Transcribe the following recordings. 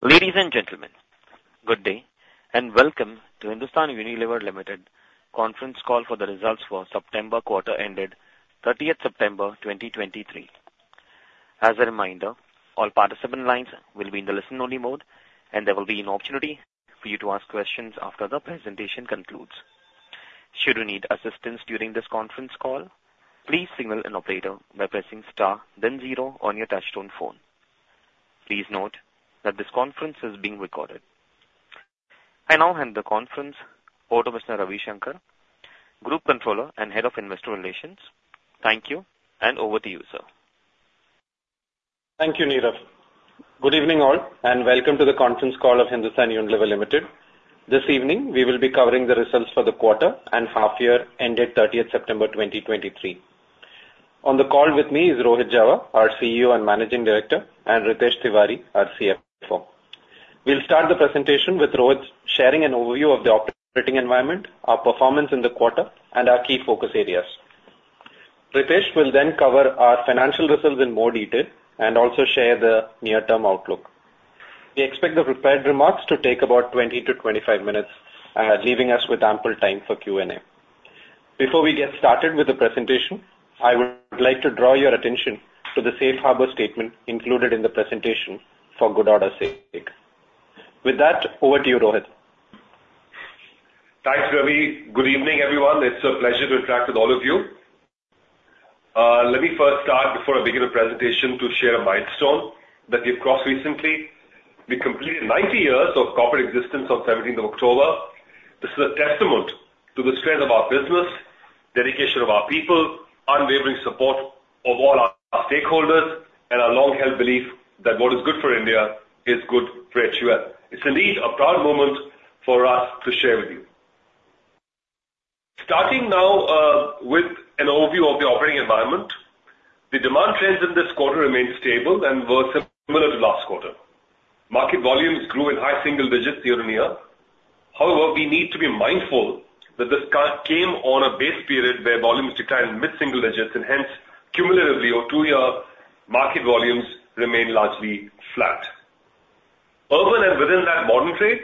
Ladies and gentlemen, good day, and welcome to Hindustan Unilever Limited conference call for the results for September quarter, ended 30th September 2023. As a reminder, all participant lines will be in the listen-only mode, and there will be an opportunity for you to ask questions after the presentation concludes. Should you need assistance during this conference call, please signal an operator by pressing star, then zero on your touchtone phone. Please note that this conference is being recorded. I now hand the conference over to Mr. Ravishankar, Group Controller and Head of Investor Relations. Thank you, and over to you, sir. Thank you, Neerav. Good evening, all, and welcome to the conference call of Hindustan Unilever Limited. This evening, we will be covering the results for the quarter and half year ended 30th September 2023. On the call with me is Rohit Jawa, our CEO and Managing Director, and Ritesh Tiwari, our CFO. We'll start the presentation with Rohit sharing an overview of the operating environment, our performance in the quarter, and our key focus areas. Ritesh will then cover our financial results in more detail and also share the near-term outlook. We expect the prepared remarks to take about 20-25 minutes, leaving us with ample time for Q&A. Before we get started with the presentation, I would like to draw your attention to the Safe Harbor statement included in the presentation for good order's sake. With that, over to you, Rohit. Thanks, Ravi. Good evening, everyone. It's a pleasure to interact with all of you. Let me first start, before I begin the presentation, to share a milestone that we've crossed recently. We completed 90 years of corporate existence on 17th of October. This is a testament to the strength of our business, dedication of our people, unwavering support of all our stakeholders, and our long-held belief that what is good for India is good for HUL. It's indeed a proud moment for us to share with you. Starting now, with an overview of the operating environment. The demand trends in this quarter remained stable and were similar to last quarter. Market volumes grew in high single digits year-on-year. However, we need to be mindful that this cut came on a base period where volumes declined in mid-single digits, and hence, cumulatively, our two-year market volumes remain largely flat. Urban and within that modern trade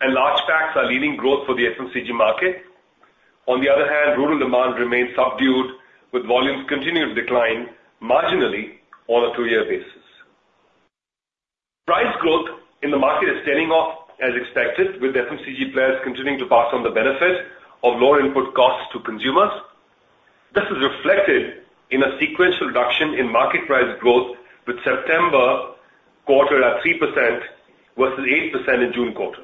and large packs are leading growth for the FMCG market. On the other hand, rural demand remains subdued, with volumes continuing to decline marginally on a two-year basis. Price growth in the market is tailing off as expected, with FMCG players continuing to pass on the benefit of lower input costs to consumers. This is reflected in a sequential reduction in market price growth, with September quarter at 3% versus 8% in June quarter.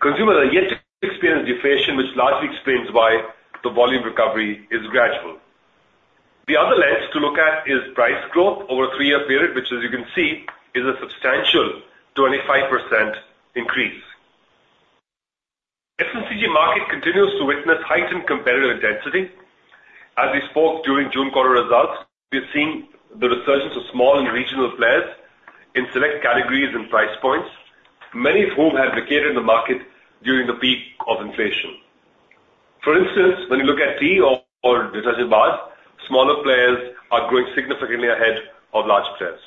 Consumers are yet to experience deflation, which largely explains why the volume recovery is gradual. The other lens to look at is price growth over a three-year period, which, as you can see, is a substantial 25% increase. FMCG market continues to witness heightened competitive intensity. As we spoke during June quarter results, we are seeing the resurgence of small and regional players in select categories and price points, many of whom have vacated the market during the peak of inflation. For instance, when you look at tea or detergent bars, smaller players are growing significantly ahead of larger players.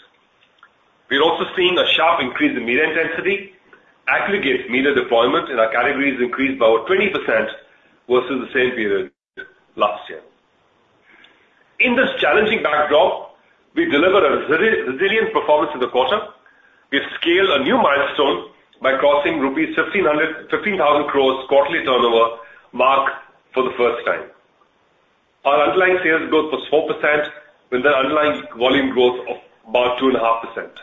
We are also seeing a sharp increase in media intensity. Aggregate media deployment in our categories increased by over 20% versus the same period last year. In this challenging backdrop, we delivered a resilient performance in the quarter. We've scaled a new milestone by crossing rupees 15,000 crore quarterly turnover mark for the first time. Our underlying sales growth was 4%, with an underlying volume growth of about 2.5%.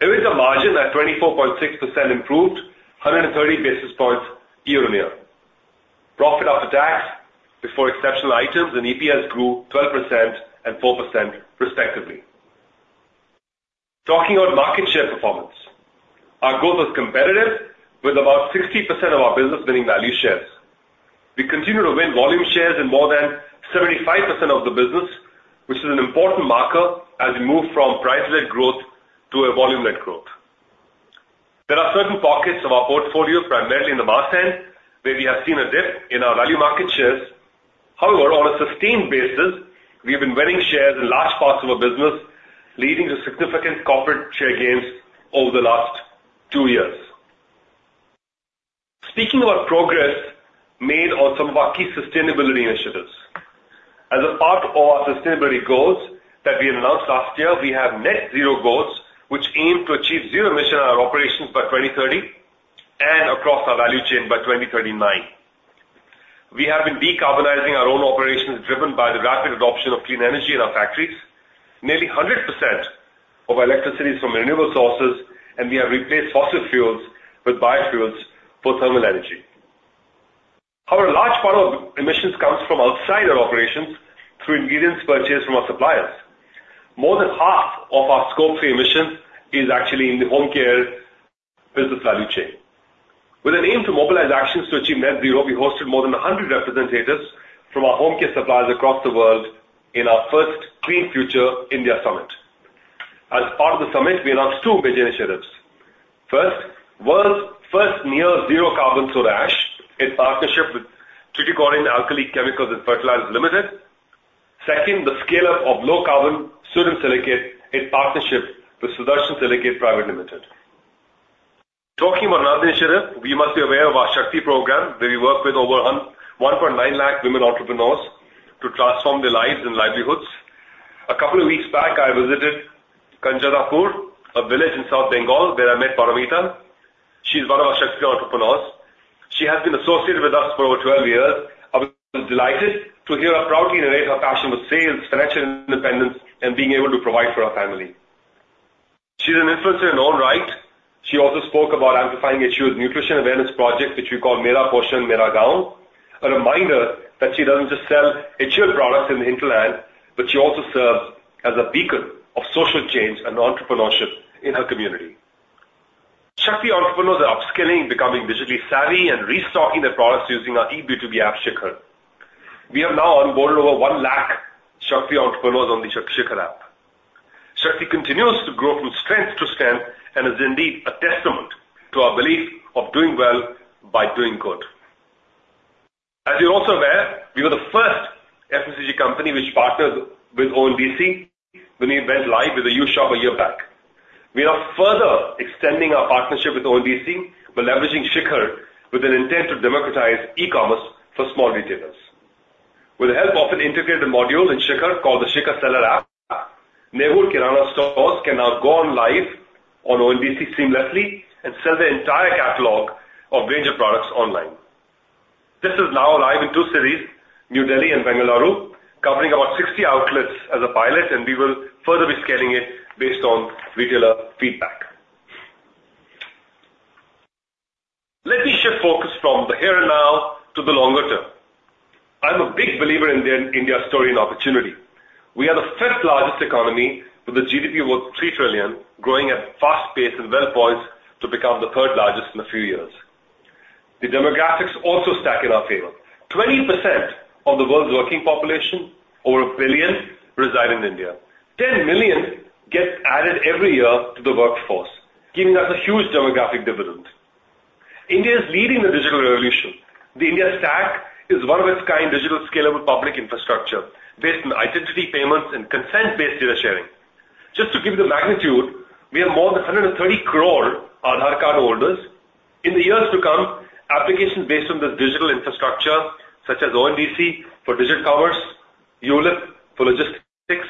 EBITDA margin at 24.6% improved 130 basis points year-on-year. Profit after tax before exceptional items and EPS grew 12% and 4% respectively. Talking about market share performance, our growth was competitive, with about 60% of our business winning value shares. We continue to win volume shares in more than 75% of the business, which is an important marker as we move from price-led growth to a volume-led growth. There are certain pockets of our portfolio, primarily in the mass end, where we have seen a dip in our value market shares. However, on a sustained basis, we have been winning shares in large parts of our business, leading to significant corporate share gains over the last two years. Speaking about progress made on some of our key sustainability initiatives. As a part of our sustainability goals that we announced last year, we have net zero goals, which aim to achieve zero emission in our operations by 2030 and across our value chain by 2039. We have been decarbonizing our own operations, driven by the rapid adoption of clean energy in our factories. Nearly 100% of our electricity is from renewable sources, and we have replaced fossil fuels with biofuels for thermal energy. However, a large part of emissions comes from outside our operations through ingredients purchased from our suppliers. More than half of our Scope 3 emissions is actually in the Home Care business value chain. With an aim to mobilize actions to achieve net zero, we hosted more than 100 representatives from our Home Care suppliers across the world in our first Clean Future India Summit. As part of the summit, we announced two major initiatives. First, World's First Near Zero Carbon Soda Ash in partnership with Tuticorin Alkali Chemicals and Fertilizers Limited. Second, the scale-up of low carbon sodium silicate in partnership with Sudarshan Silicate Private Limited. Talking about another initiative, we must be aware of our Shakti program, where we work with over 1.9 lakh women entrepreneurs to transform their lives and livelihoods. A couple of weeks back, I visited Khanjadapur, a village in South Bengal, where I met Paromita. She is one of our Shakti entrepreneurs. She has been associated with us for over 12 years. I was delighted to hear her proudly narrate her passion for sales, financial independence, and being able to provide for her family. She's an influencer in her own right. She also spoke about amplifying HUL's nutrition awareness project, which we call Mera Poshan Mera Gaon, a reminder that she doesn't just sell HUL products in the hinterland, but she also serves as a beacon of social change and entrepreneurship in her community. Shakti entrepreneurs are upskilling, becoming digitally savvy, and restocking their products using our e-B2B app, Shikhar. We have now onboarded over one lakh Shakti entrepreneurs on the Shikhar app. Shakti continues to grow from strength to strength and is indeed a testament to our belief of doing well by doing good. As you're also aware, we were the first FMCG company which partnered with ONDC when we went live with the UShop a year back. We are further extending our partnership with ONDC by leveraging Shikhar with an intent to democratize e-commerce for small retailers. With the help of an integrated module in Shikhar, called the Shikhar Seller app, neighborhood kirana stores can now go on live on ONDC seamlessly and sell their entire catalog of range of products online. This is now live in two cities, New Delhi and Bengaluru, covering about 60 outlets as a pilot, and we will further be scaling it based on retailer feedback. Let me shift focus from the here and now to the longer term. I'm a big believer in the India story and opportunity. We are the fifth-largest economy, with a GDP of over $3 trillion, growing at a fast pace and well-poised to become the third largest in a few years. The demographics also stack in our favor. 20% of the world's working population, over a billion, reside in India. 10 million gets added every year to the workforce, giving us a huge demographic dividend. India is leading the digital revolution. The IndiaStack is one of its kind digital scalable public infrastructure based on identity, payments, and consent-based data sharing. Just to give you the magnitude, we have more than 130 crore Aadhaar card holders. In the years to come, applications based on this digital infrastructure, such as ONDC for digital commerce, ULIP for logistics,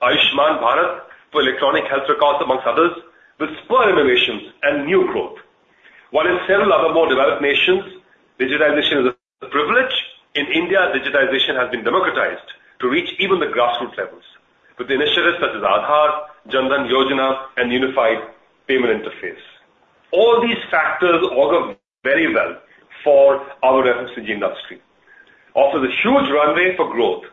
Ayushman Bharat for electronic health records, amongst others, will spur innovations and new growth. While in several other more developed nations, digitization is a privilege, in India, digitization has been democratized to reach even the grassroots levels with initiatives such as Aadhaar, Jan Dhan Yojana, and Unified Payment Interface. All these factors augur very well for our FMCG industry. Also, the huge runway for growth.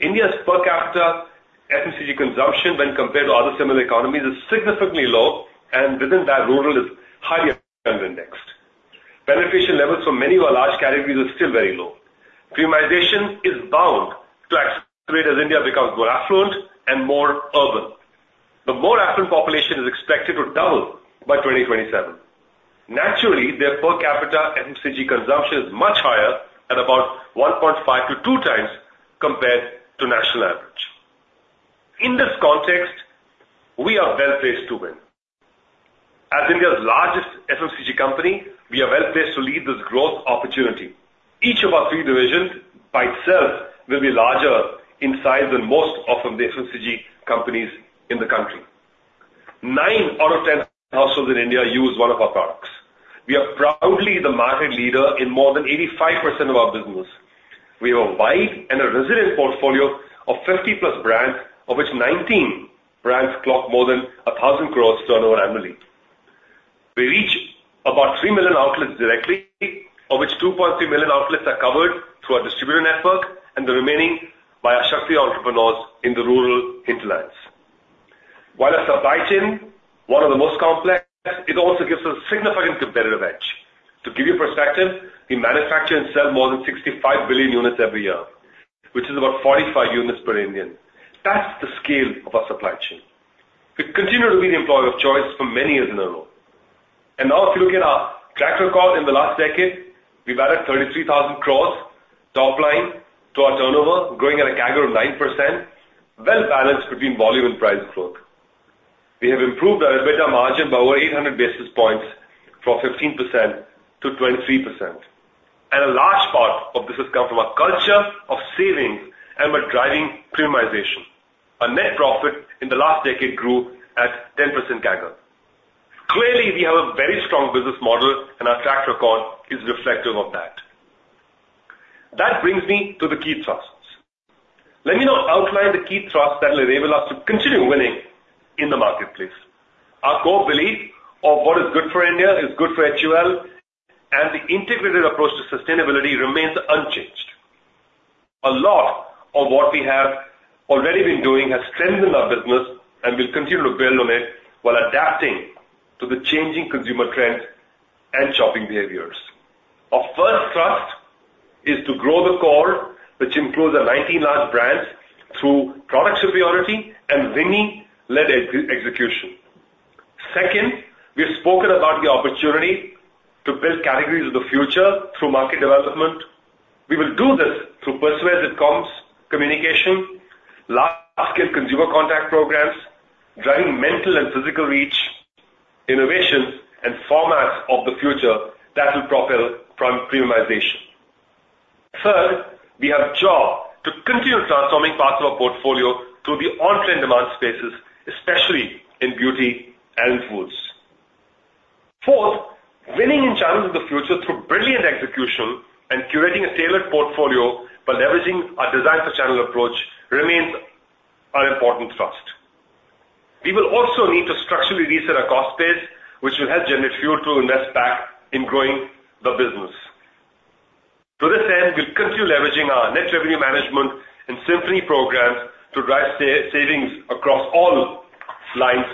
India's per capita FMCG consumption, when compared to other similar economies, is significantly low, and within that, rural is highly under indexed. Penetration levels for many of our large categories are still very low. Premiumization is bound to accelerate as India becomes more affluent and more urban. The more affluent population is expected to double by 2027. Naturally, their per capita FMCG consumption is much higher at about 1.5x-2x compared to national average. In this context, we are well-placed to win. As India's largest FMCG company, we are well-placed to lead this growth opportunity. Each of our three divisions by itself will be larger in size than most of the FMCG companies in the country. nine out of 10 households in India use one of our products. We are proudly the market leader in more than 85% of our business. We have a wide and a resilient portfolio of 50+ brands, of which 19 brands clock more than 1,000 crore turnover annually. We reach about 3 million outlets directly, of which 2.3 million outlets are covered through our distributor network, and the remaining by our Shakti entrepreneurs in the rural hinterlands. While our supply chain, one of the most complex, it also gives us a significant competitive edge. To give you perspective, we manufacture and sell more than 65 billion units every year, which is about 45 units per Indian. That's the scale of our supply chain. We continue to be the employer of choice for many years in a row. And now, if you look at our track record in the last decade, we've added 33,000 crore top line to our turnover, growing at a CAGR of 9%, well balanced between volume and price growth. We have improved our EBITDA margin by over 800 basis points from 15%-23%, and a large part of this has come from our culture of savings and we're driving premiumization. Our net profit in the last decade grew at 10% CAGR. Clearly, we have a very strong business model, and our track record is reflective of that. That brings me to the key thrusts. Let me now outline the key thrust that will enable us to continue winning in the marketplace. Our core belief of what is good for India is good for HUL, and the integrated approach to sustainability remains unchanged. A lot of what we have already been doing has strengthened our business, and we'll continue to build on it while adapting to the changing consumer trends and shopping behaviors. Our first thrust is to grow the core, which includes our 19 large brands, through product superiority and WiMI led execution. Second, we have spoken about the opportunity... build categories of the future through market development. We will do this through persuasive comms, communication, large-scale consumer contact programs, driving mental and physical reach, innovations, and formats of the future that will propel from premiumization. Third, we have a job to continue transforming parts of our portfolio through the on-trend demand spaces, especially in Beauty and Foods. Fourth, winning in channels of the future through brilliant execution and curating a tailored portfolio by leveraging our design per channel approach remains an important thrust. We will also need to structurally reset our cost base, which will help generate fuel to invest back in growing the business. To this end, we'll continue leveraging our net revenue management and Symphony programs to drive savings across all lines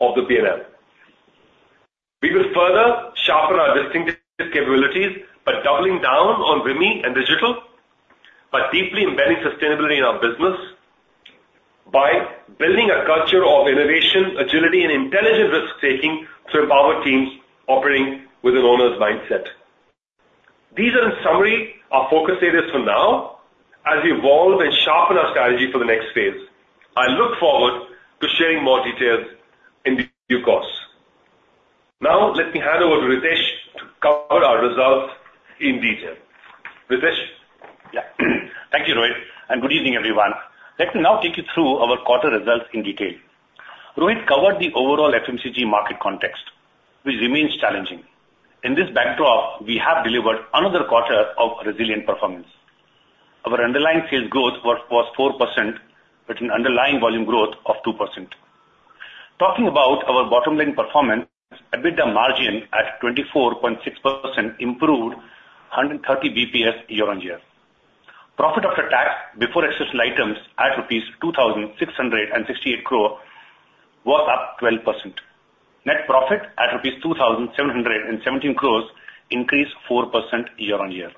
of the P&L. We will further sharpen our distinctive capabilities by doubling down on WiMI and digital, by deeply embedding sustainability in our business, by building a culture of innovation, agility, and intelligent risk-taking to empower teams operating with an owner's mindset. These are, in summary, our focus areas for now as we evolve and sharpen our strategy for the next phase. I look forward to sharing more details in due course. Now let me hand over to Ritesh to cover our results in detail. Ritesh? Yeah. Thank you, Rohit, and good evening, everyone. Let me now take you through our quarter results in detail. Rohit covered the overall FMCG market context, which remains challenging. In this backdrop, we have delivered another quarter of resilient performance. Our underlying sales growth was 4%, with an underlying volume growth of 2%. Talking about our bottom line performance, EBITDA margin at 24.6% improved 130 basis points year-on-year. Profit after tax, before exceptional items, at INR 2,668 crore, was up 12%. Net profit at 2,717 crore increased 4% year-on-year.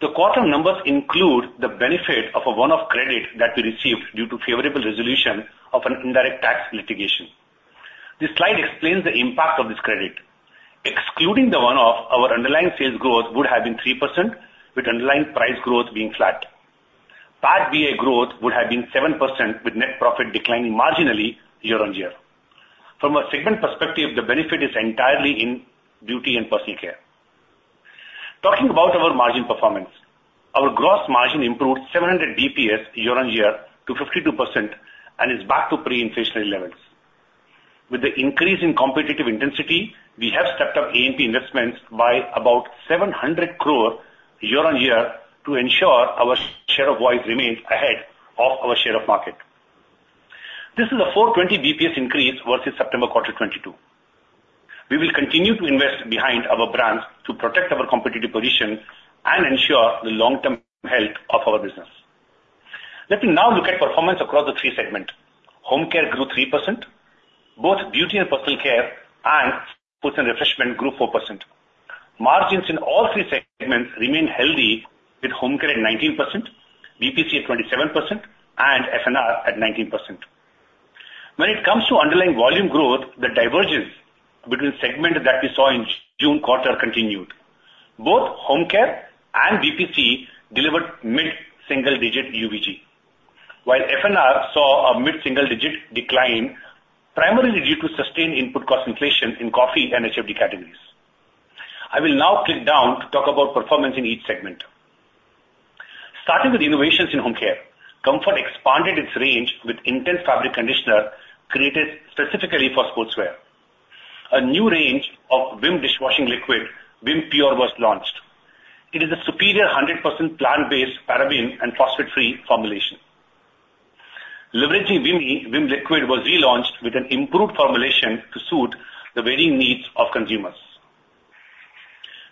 The quarter numbers include the benefit of a one-off credit that we received due to favorable resolution of an indirect tax litigation. This slide explains the impact of this credit. Excluding the one-off, our underlying sales growth would have been 3%, with underlying price growth being flat. PAT bei growth would have been 7%, with net profit declining marginally year-on-year. From a segment perspective, the benefit is entirely in Beauty and Personal Care. Talking about our margin performance, our gross margin improved 700 basis points year-on-year to 52% and is back to pre-inflationary levels. With the increase in competitive intensity, we have stepped up A&P investments by about 700 crore year-on-year to ensure our share of voice remains ahead of our share of market. This is a 420 basis points increase versus September quarter 2022. We will continue to invest behind our brands to protect our competitive position and ensure the long-term health of our business. Let me now look at performance across the three segment. Home Care grew 3%. Both Beauty and Personal Care, and Foods and Refreshment grew 4%. Margins in all three segments remain healthy, with Home Care at 19%, BPC at 27%, and F&R at 19%. When it comes to underlying volume growth, the divergence between segments that we saw in June quarter continued. Both Home Care and BPC delivered mid-single-digit UVG, while F&R saw a mid-single-digit decline, primarily due to sustained input cost inflation in coffee and HFD categories. I will now dig down to talk about performance in each segment. Starting with innovations in Home Care, Comfort expanded its range with intense fabric conditioner created specifically for sportswear. A new range of Vim dishwashing liquid, Vim Pure, was launched. It is a superior 100% plant-based, paraben and phosphate-free formulation. Leveraging WiMI, Vim Liquid was relaunched with an improved formulation to suit the varying needs of consumers.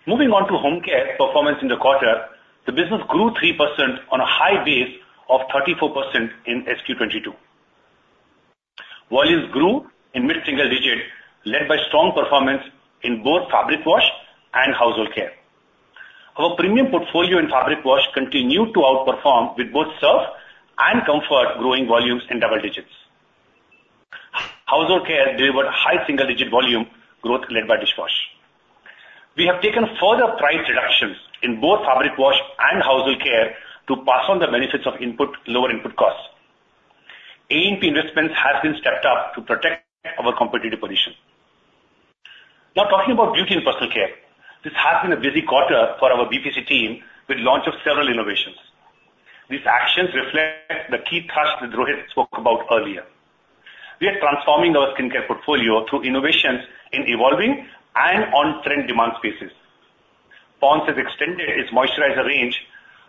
Moving on to Home Care performance in the quarter, the business grew 3% on a high base of 34% in Q2 2022. Volumes grew in mid-single-digit, led by strong performance in both fabric wash and household care. Our premium portfolio in fabric wash continued to outperform with both Surf and Comfort growing volumes in double digits. household care delivered high single-digit volume growth led by dish wash. We have taken further price reductions in both fabric wash and household care to pass on the benefits of input, lower input costs. A&P investments have been stepped up to protect our competitive position. Now, talking about Beauty and Personal Care, this has been a busy quarter for our BPC team with launch of several innovations. These actions reflect the key thrust that Rohit spoke about earlier. We are transforming skin care portfolio through innovations in evolving and on-trend demand spaces. Pond's has extended its moisturizer range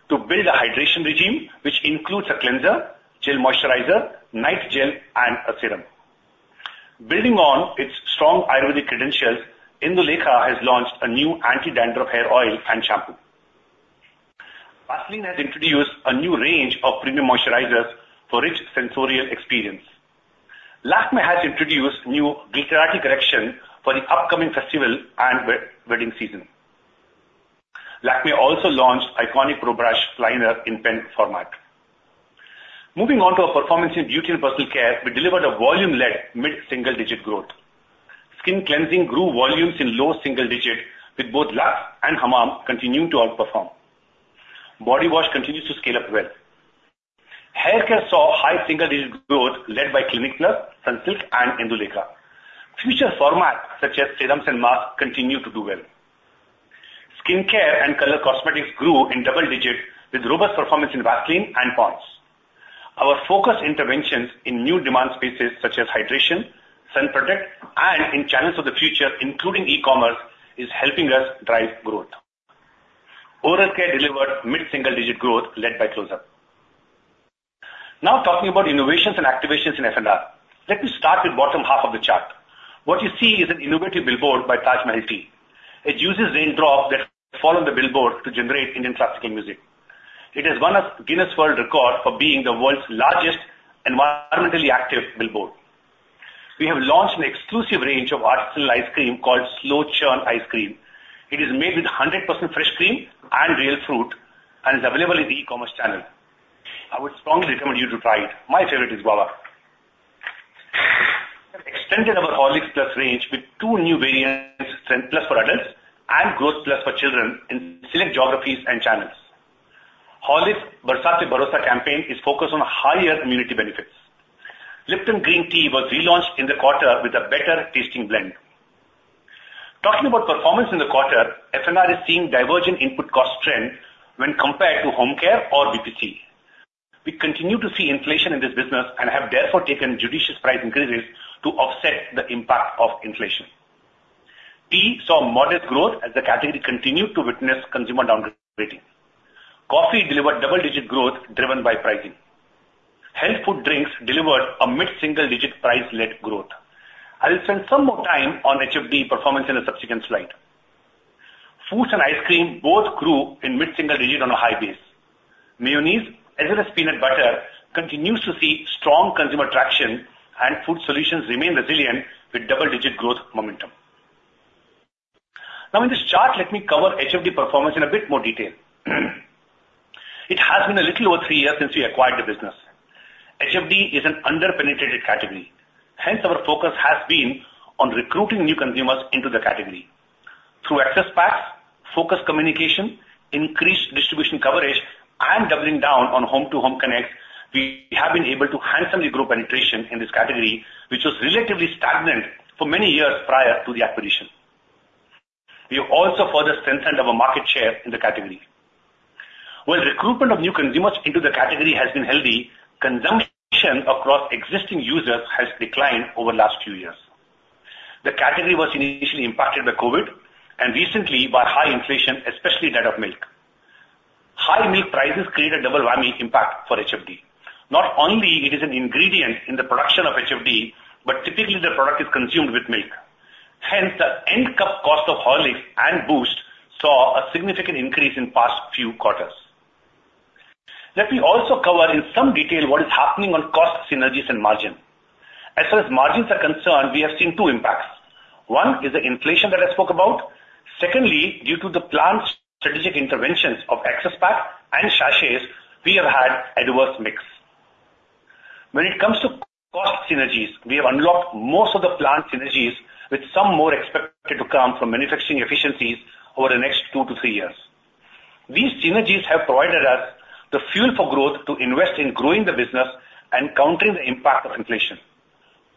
to build a hydration regime, which includes a cleanser, gel moisturizer, night gel, and a serum. Building on its strong Ayurvedic credentials, Indulekha has launched a new anti-dandruff hair oil and shampoo. Vaseline has introduced a new range of premium moisturizers for rich sensorial experience. Lakmé has introduced new Glitterati Collection for the upcoming festival and wedding season. Lakmé also launched Eyeconic Pro Brush Liner in pen format. Moving on to our performance in Beauty and Personal Care, we delivered a volume-led growth. Skin cleansing grew volumes in low single-digit, with both Lux and Hamam continuing to outperform. Bodywash continues to scale up well. Hair care saw high single-digit growth, led by Clinic Plus, Sunsilk and Indulekha. Future formats such as serums and masks continue to do well. Skin care and color cosmetics grew in double-digit, with robust performance in Vaseline and Pond's. Our focus interventions in new demand spaces such as hydration, sun protect, and in channels of the future, including e-commerce, is helping us drive growth. Oral care delivered mid-single-digit growth, led by Close-Up. Now, talking about innovations and activations in F&R, let me start with bottom half of the chart. What you see is an innovative billboard by Taj Mahal Tea. It uses raindrops that fall on the billboard to generate Indian classical music. It has won a Guinness World Record for being the world's largest environmentally active billboard. We have launched an exclusive range of artisanal ice cream called Slow Churn Ice Cream. It is made with 100% fresh cream and real fruit and is available in the e-commerce channel. I would strongly recommend you to try it. My favorite is guava. We have extended our Horlicks Plus range with two new variants, Strength Plus for adults and Growth Plus for children in select geographies and channels. Horlicks Barsaat mein Bharosa campaign is focused on higher immunity benefits. Lipton Green Tea was relaunched in the quarter with a better-tasting blend. Talking about performance in the quarter, F&R is seeing divergent input cost trends when compared to Home Care or BPC. We continue to see inflation in this business and have therefore taken judicious price increases to offset the impact of inflation. Tea saw modest growth as the category continued to witness consumer downgrading. Coffee delivered double-digit growth, driven by pricing. Health Food Drinks delivered a mid-single-digit price-led growth. I will spend some more time on HFD performance in a subsequent slide. Fruits and ice cream both grew in mid-single digit on a high base. Mayonnaise, as well as peanut butter, continues to see strong consumer traction, and food solutions remain resilient with double-digit growth momentum. Now in this chart, let me cover HFD performance in a bit more detail. It has been a little over three years since we acquired the business. HFD is an underpenetrated category, hence our focus has been on recruiting new consumers into the category. Through access packs, focused communication, increased distribution coverage, and doubling down on home-to-home connect, we have been able to handsomely grow penetration in this category, which was relatively stagnant for many years prior to the acquisition. We have also further strengthened our market share in the category. While recruitment of new consumers into the category has been healthy, consumption across existing users has declined over the last few years. The category was initially impacted by COVID and recently by high inflation, especially that of milk. High milk prices create a double whammy impact for HFD. Not only it is an ingredient in the production of HFD, but typically the product is consumed with milk. Hence, the end cup cost of Horlicks and Boost saw a significant increase in past few quarters. Let me also cover in some detail what is happening on cost synergies and margin. As far as margins are concerned, we have seen two impacts. One is the inflation that I spoke about. Secondly, due to the planned strategic interventions of access pack and sachets, we have had adverse mix. When it comes to cost synergies, we have unlocked most of the planned synergies, with some more expected to come from manufacturing efficiencies over the next two to three years. These synergies have provided us the fuel for growth to invest in growing the business and countering the impact of inflation.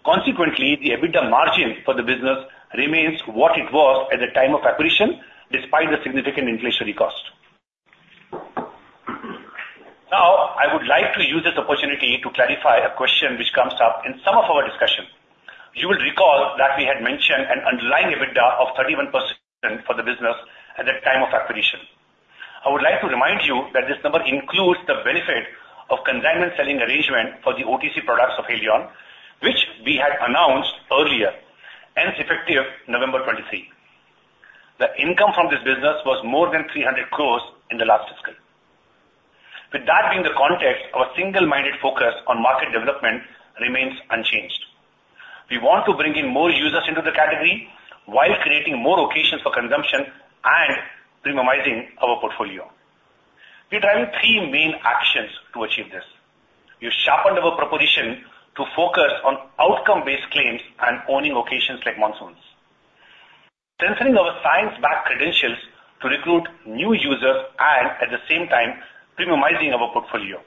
Consequently, the EBITDA margin for the business remains what it was at the time of acquisition, despite the significant inflationary cost. Now, I would like to use this opportunity to clarify a question which comes up in some of our discussion. You will recall that we had mentioned an underlying EBITDA of 31% for the business at the time of acquisition. I would like to remind you that this number includes the benefit of consignment selling arrangement for the OTC products of Haleon, which we had announced earlier, hence effective November 2023. The income from this business was more than 300 crore in the last fiscal. With that being the context, our single-minded focus on market development remains unchanged. We want to bring in more users into the category while creating more occasions for consumption and premiumizing our portfolio. We are driving three main actions to achieve this: We've sharpened our proposition to focus on outcome-based claims and owning occasions like monsoons. Centering our science-backed credentials to recruit new users and, at the same time, premiumizing our portfolio.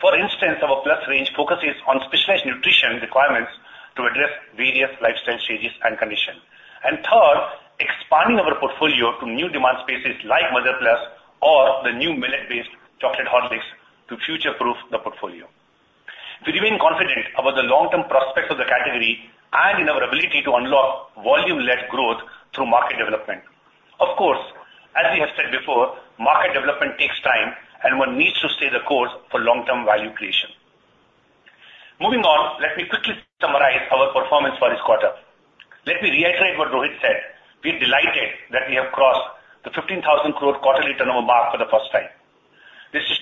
For instance, our plus range focuses on specialized nutrition requirements to address various lifestyle stages and conditions. And third, expanding our portfolio to new demand spaces like Mother's Plus or the new millet-based chocolate Horlicks to future-proof the portfolio. We remain confident about the long-term prospects of the category and in our ability to unlock volume-led growth through market development. Of course, as we have said before, market development takes time, and one needs to stay the course for long-term value creation. Moving on, let me quickly summarize our performance for this quarter. Let me reiterate what Rohit said: We're delighted that we have crossed the 15,000 crore quarterly turnover mark for the first time.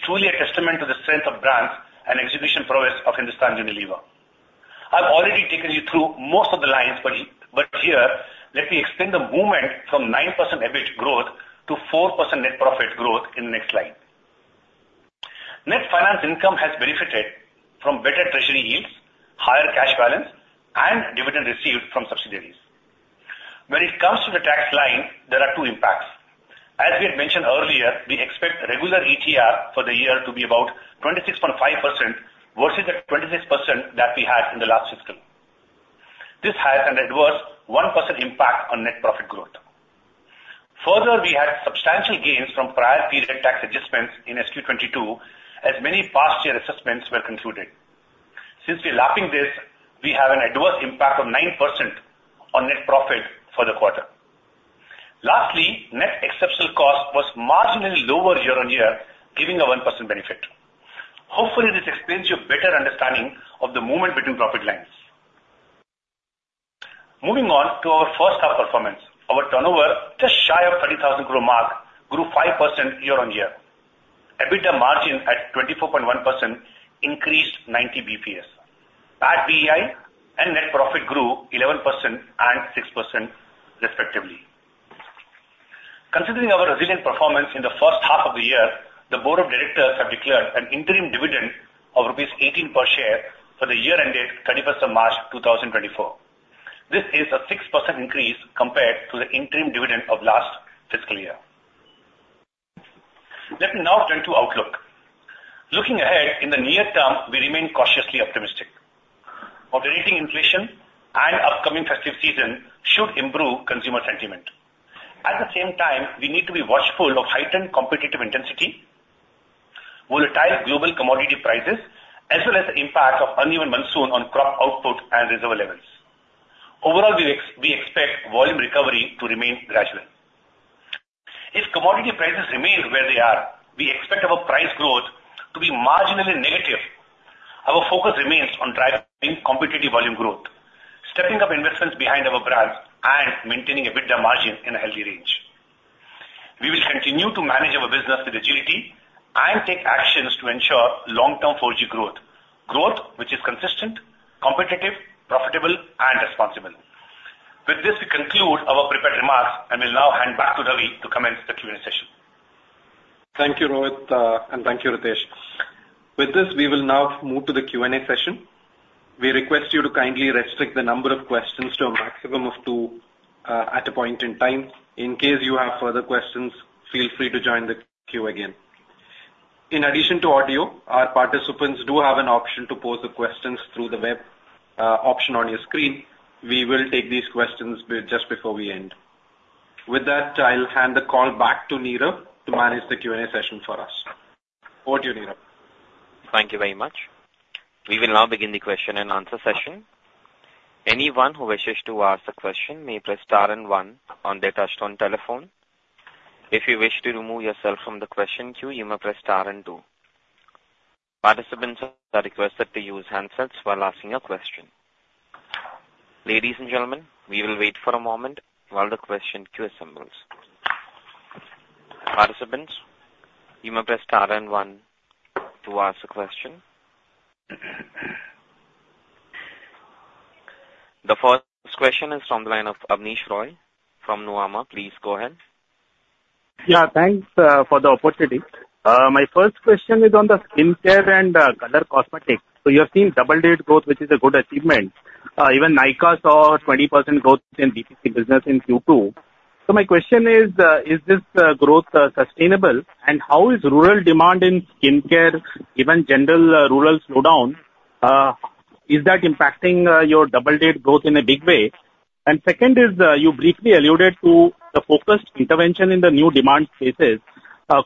Truly a testament to the strength of brands and execution prowess of Hindustan Unilever. I've already taken you through most of the lines, but here, let me explain the movement from 9% EBITDA growth to 4% net profit growth in the next slide. Net finance income has benefited from better treasury yields, higher cash balance, and dividend received from subsidiaries. When it comes to the tax line, there are two impacts. As we had mentioned earlier, we expect regular ETR for the year to be about 26.5% versus the 26% that we had in the last fiscal. This has an adverse 1% impact on net profit growth. Further, we had substantial gains from prior period tax adjustments in Q2 2022, as many past year assessments were concluded. Since we're lapping this, we have an adverse impact of 9% on net profit for the quarter. Lastly, net exceptional cost was marginally lower year-on-year, giving a 1% benefit. Hopefully, this explains your better understanding of the movement between profit lines. Moving on to our first half performance. Our turnover, just shy of 30,000 crore mark, grew 5% year-on-year. EBITDA margin at 24.1% increased 90 basis points. PAT bei and net profit grew 11% and 6% respectively. Considering our resilient performance in the first half of the year, the board of directors have declared an interim dividend of INR 18 per share for the year ended March 31, 2024. This is a 6% increase compared to the interim dividend of last fiscal year. Let me now turn to outlook. Looking ahead in the near term, we remain cautiously optimistic. Moderating inflation and upcoming festive season should improve consumer sentiment. At the same time, we need to be watchful of heightened competitive intensity, volatile global commodity prices, as well as the impact of uneven monsoon on crop output and reserve levels. Overall, we expect volume recovery to remain gradual. If commodity prices remain where they are, we expect our price growth to be marginally negative. Our focus remains on driving competitive volume growth, stepping up investments behind our brands, and maintaining EBITDA margin in a healthy range. We will continue to manage our business with agility and take actions to ensure long-term 4G growth, growth which is consistent, competitive, profitable, and responsible. With this, we conclude our prepared remarks, and will now hand back to Ravi to commence the Q&A session. Thank you, Rohit, and thank you, Ritesh. With this, we will now move to the Q&A session. We request you to kindly restrict the number of questions to a maximum of two, at a point in time. In case you have further questions, feel free to join the queue again. In addition to audio, our participants do have an option to pose the questions through the web, option on your screen. We will take these questions just before we end. With that, I'll hand the call back to Neerav to manage the Q&A session for us. Over to you, Neerav. Thank you very much. We will now begin the question and answer session. Anyone who wishes to ask a question may press star and one on their touchtone telephone. If you wish to remove yourself from the question queue, you may press star and two. Participants are requested to use handsets while asking a question. Ladies and gentlemen, we will wait for a moment while the question queue assembles. Participants, you may press star and one to ask a question. The first question is from the line of Abneesh Roy from Nuvama. Please go ahead. Yeah, thanks for the opportunity. My first question is on skin care and color cosmetics. So you have seen double-digit growth, which is a good achievement. Even Nykaa saw 20% growth in BPC business in Q2. So my question is, is this growth sustainable? And how is rural demand skin care, given general rural slowdown, is that impacting your double-digit growth in a big way? And second is, you briefly alluded to the focused intervention in the new demand spaces.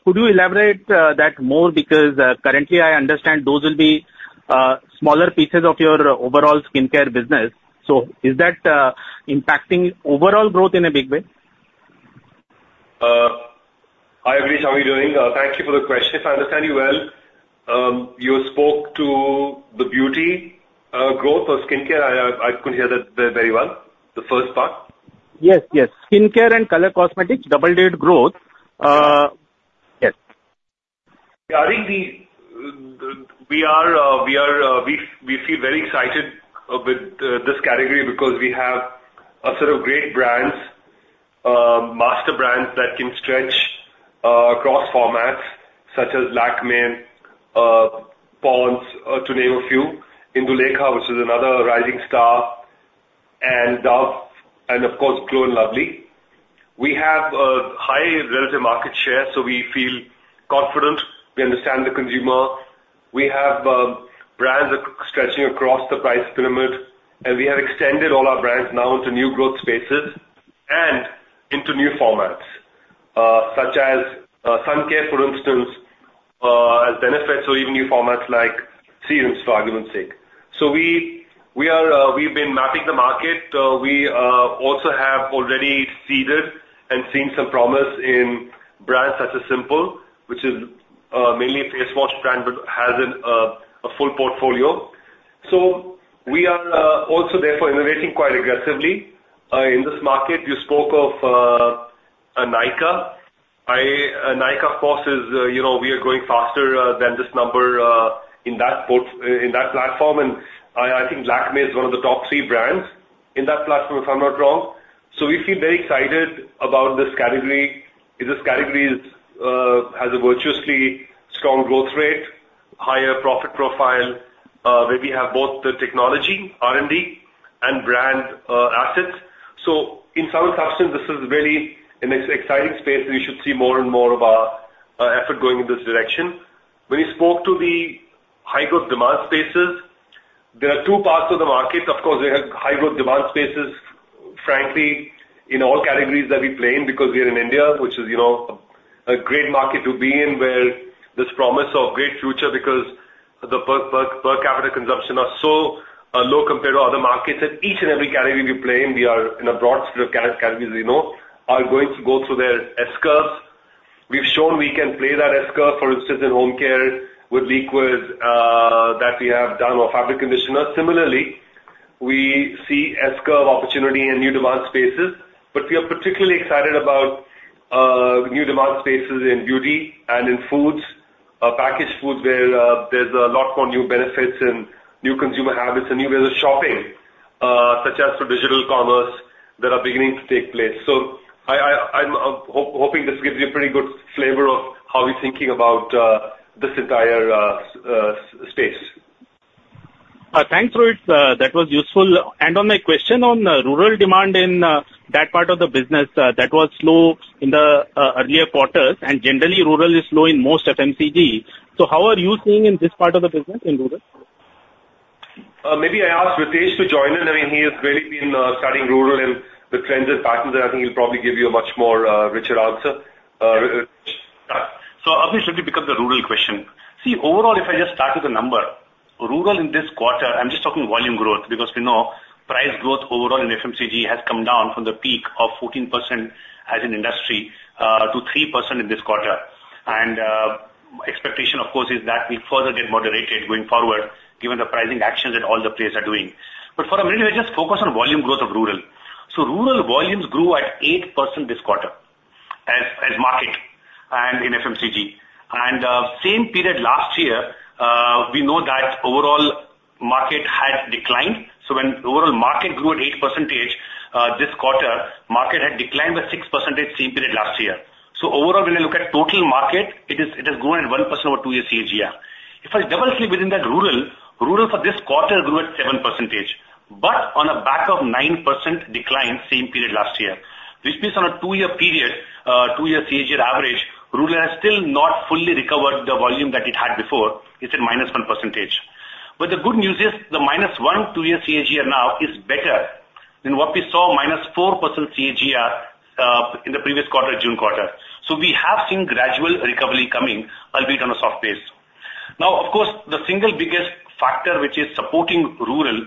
Could you elaborate that more? Because, currently I understand those will be smaller pieces of your skin care business. So is that impacting overall growth in a big way? Hi, Abneesh, how are you doing? Thank you for the question. If I understand you well, you spoke to the Beauty growth skin care. I could hear that very well, the first part. Yes, skin care and color cosmetics, double-digit growth. Yes. I think we feel very excited with this category because we have a set of great brands, master brands that can stretch across formats such as Lakmé, Pond's, to name a few, Indulekha, which is another rising star, and Dove, and of course, Glow & Lovely. We have a high relative market share, so we feel confident. We understand the consumer. We have brands that are stretching across the price pyramid, and we have extended all our brands now into new growth spaces and into new formats such as sun care, for instance, as benefits, or even new formats like serums, for argument's sake. So we've been mapping the market. We also have already seeded and seen some promise in brands such as Simple, which is mainly a face wash brand, but has a full portfolio. So we are also therefore innovating quite aggressively in this market. You spoke of Nykaa. I Nykaa, of course, is, you know, we are growing faster than this number in that platform, and I I think Lakmé is one of the top three brands in that platform, if I'm not wrong. So we feel very excited about this category, because this category is has a virtuously strong growth rate, higher profit profile where we have both the technology, R&D, and brand assets. So in some substance, this is very an exciting space, and you should see more and more of our effort going in this direction. When you spoke to the high-growth demand spaces, there are two parts of the market. Of course, there are high-growth demand spaces, frankly, in all categories that we play in, because we are in India, which is, you know, a great market to be in, where there's promise of great future, because the per capita consumption are so low compared to other markets, that each and every category we play in, we are in a broad set of categories, as you know, are going to go through their S-curves. We've shown we can play that S-curve, for instance, in Home Care with liquid that we have done, or fabric conditioner. Similarly, we see S-curve opportunity in new demand spaces, but we are particularly excited about new demand spaces in Beauty and in Foods, Packaged Foods, where there's a lot more new benefits and new consumer habits and new ways of shopping, such as for digital commerce, that are beginning to take place. So I'm hoping this gives you a pretty good flavor of how we're thinking about this entire space. Thanks, Rohit. That was useful. On my question on rural demand in that part of the business that was slow in the earlier quarters, and generally rural is slow in most FMCG. So how are you seeing in this part of the business in rural? Maybe I ask Ritesh to join in. I mean, he has really been studying rural and the trends and patterns, and I think he'll probably give you a much more richer answer. Ritesh? So obviously, because the rural question. See, overall, if I just start with the number, rural in this quarter, I'm just talking volume growth, because we know price growth overall in FMCG has come down from the peak of 14% as an industry to 3% in this quarter. And expectation, of course, is that we further get moderated going forward, given the pricing actions that all the players are doing. But for a minute, let's just focus on volume growth of rural. So rural volumes grew at 8% this quarter, as market and in FMCG. And same period last year, we know that overall market had declined, so when overall market grew at 8%, this quarter, market had declined by 6% same period last year. So overall, when you look at total market, it is, it has grown at 1% over two-year CAGR. If I double click within that, rural for this quarter grew at 7%, but on the back of 9% decline, same period last year. Which means on a two-year period, two-year CAGR average, rural has still not fully recovered the volume that it had before. It's at -1%. But the good news is, the -1%, two-year CAGR now is better than what we saw, -4% CAGR in the previous quarter, June quarter. So we have seen gradual recovery coming, albeit on a soft pace. Now, of course, the single biggest factor which is supporting rural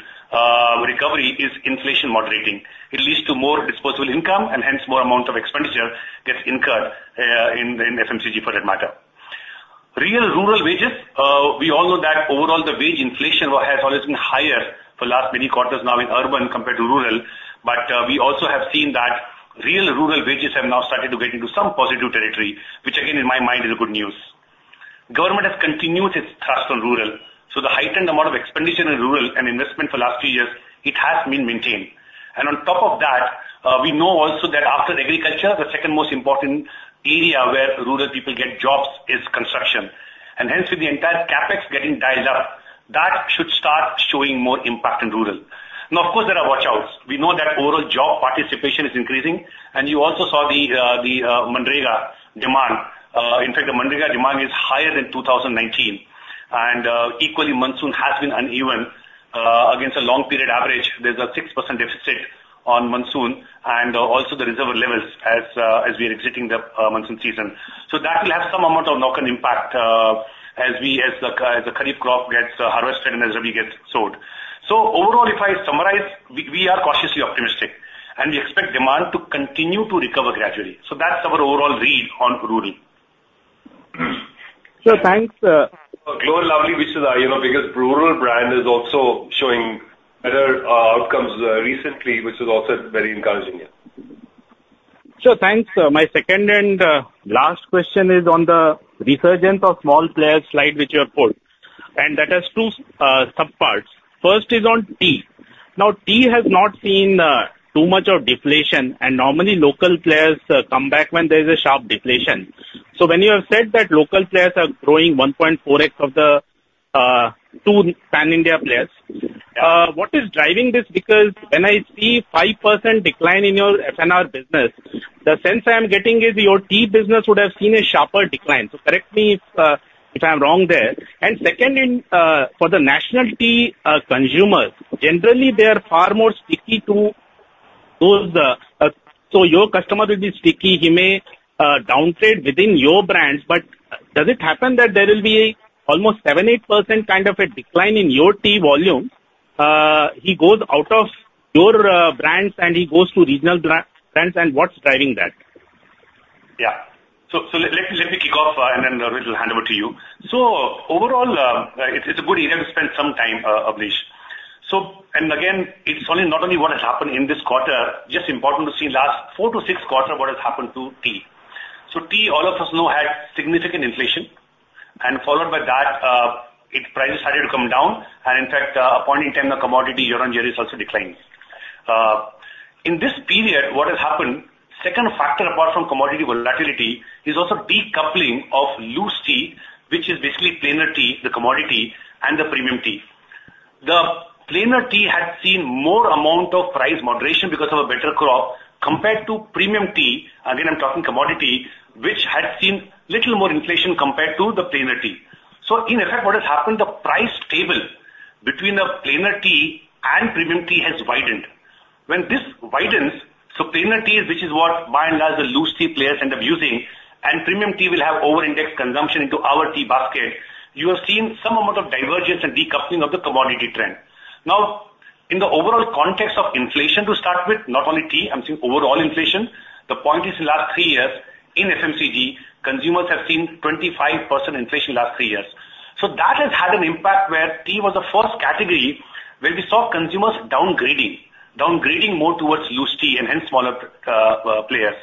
recovery is inflation moderating. It leads to more disposable income, and hence, more amount of expenditure gets incurred in FMCG, for that matter. Real rural wages, we all know that overall the wage inflation has always been higher for the last many quarters now in urban compared to rural, but, we also have seen that real rural wages have now started to get into some positive territory, which again, in my mind, is a good news. Government has continued its thrust on rural, so the heightened amount of expenditure in rural and investment for last two years, it has been maintained. And on top of that, we know also that after agriculture, the second most important area where rural people get jobs is construction. And hence, with the entire CapEx getting dialed up, that should start showing more impact in rural. Now, of course, there are watch outs. We know that overall job participation is increasing, and you also saw the MGNREGA demand. In fact, the MGNREGA demand is higher than 2019. And, equally, monsoon has been uneven against a long period average. There's a 6% deficit on monsoon, and also the reservoir levels as we are exiting the monsoon season. So that will have some amount of knock-on impact as the kharif crop gets harvested and as the wheat gets sowed. So overall, if I summarize, we are cautiously optimistic, and we expect demand to continue to recover gradually. So that's our overall read on rural. Sir, thanks, Glow & Lovely, which is, you know, because rural brand is also showing better outcomes recently, which is also very encouraging. Yeah. Sure, thanks. My second and last question is on the resurgence of small players slide, which you have put, and that has two subparts. First is on tea. Now, tea has not seen too much of deflation, and normally local players come back when there is a sharp deflation. So when you have said that local players are growing 1.4x of the two pan India players, what is driving this? Because when I see 5% decline in your F&R business, the sense I am getting is your tea business would have seen a sharper decline. So correct me if I'm wrong there. And second, in for the national tea consumers, generally, they are far more sticky to those... So your customer will be sticky. He may downtrade within your brands, but does it happen that there will be a almost 7%-8% kind of a decline in your tea volume? He goes out of your brands, and he goes to regional brands, and what's driving that? Yeah. So, let me kick off, and then Rohit, I'll hand over to you. So overall, it's a good area to spend some time, Abneesh. So, and again, it's only not only what has happened in this quarter, just important to see last four to six quarter, what has happened to tea. So tea, all of us know, had significant inflation, and followed by that, its price started to come down, and in fact, upon in time, the commodity year on year is also declining. In this period, what has happened, second factor apart from commodity volatility, is also decoupling of loose tea, which is basically Plainer Tea, the commodity, and the Premium Tea. The Plainer Tea has seen more amount of price moderation because of a better crop, compared to Premium Tea, again, I'm talking commodity, which has seen little more inflation compared to the Plainer Tea. So in effect, what has happened, the price gap between the Plainer Tea and Premium Tea has widened. When this widens, so Plainer Tea, which is what, by and large, the loose tea players end up using, and Premium Tea will have over-indexed consumption into our tea basket. You have seen some amount of divergence and decoupling of the commodity trend. Now, in the overall context of inflation, to start with, not only tea, I'm seeing overall inflation. The point is, in last three years in FMCG, consumers have seen 25% inflation last three years. So that has had an impact where tea was the first category, where we saw consumers downgrading. Downgrading more towards loose tea and hence smaller players.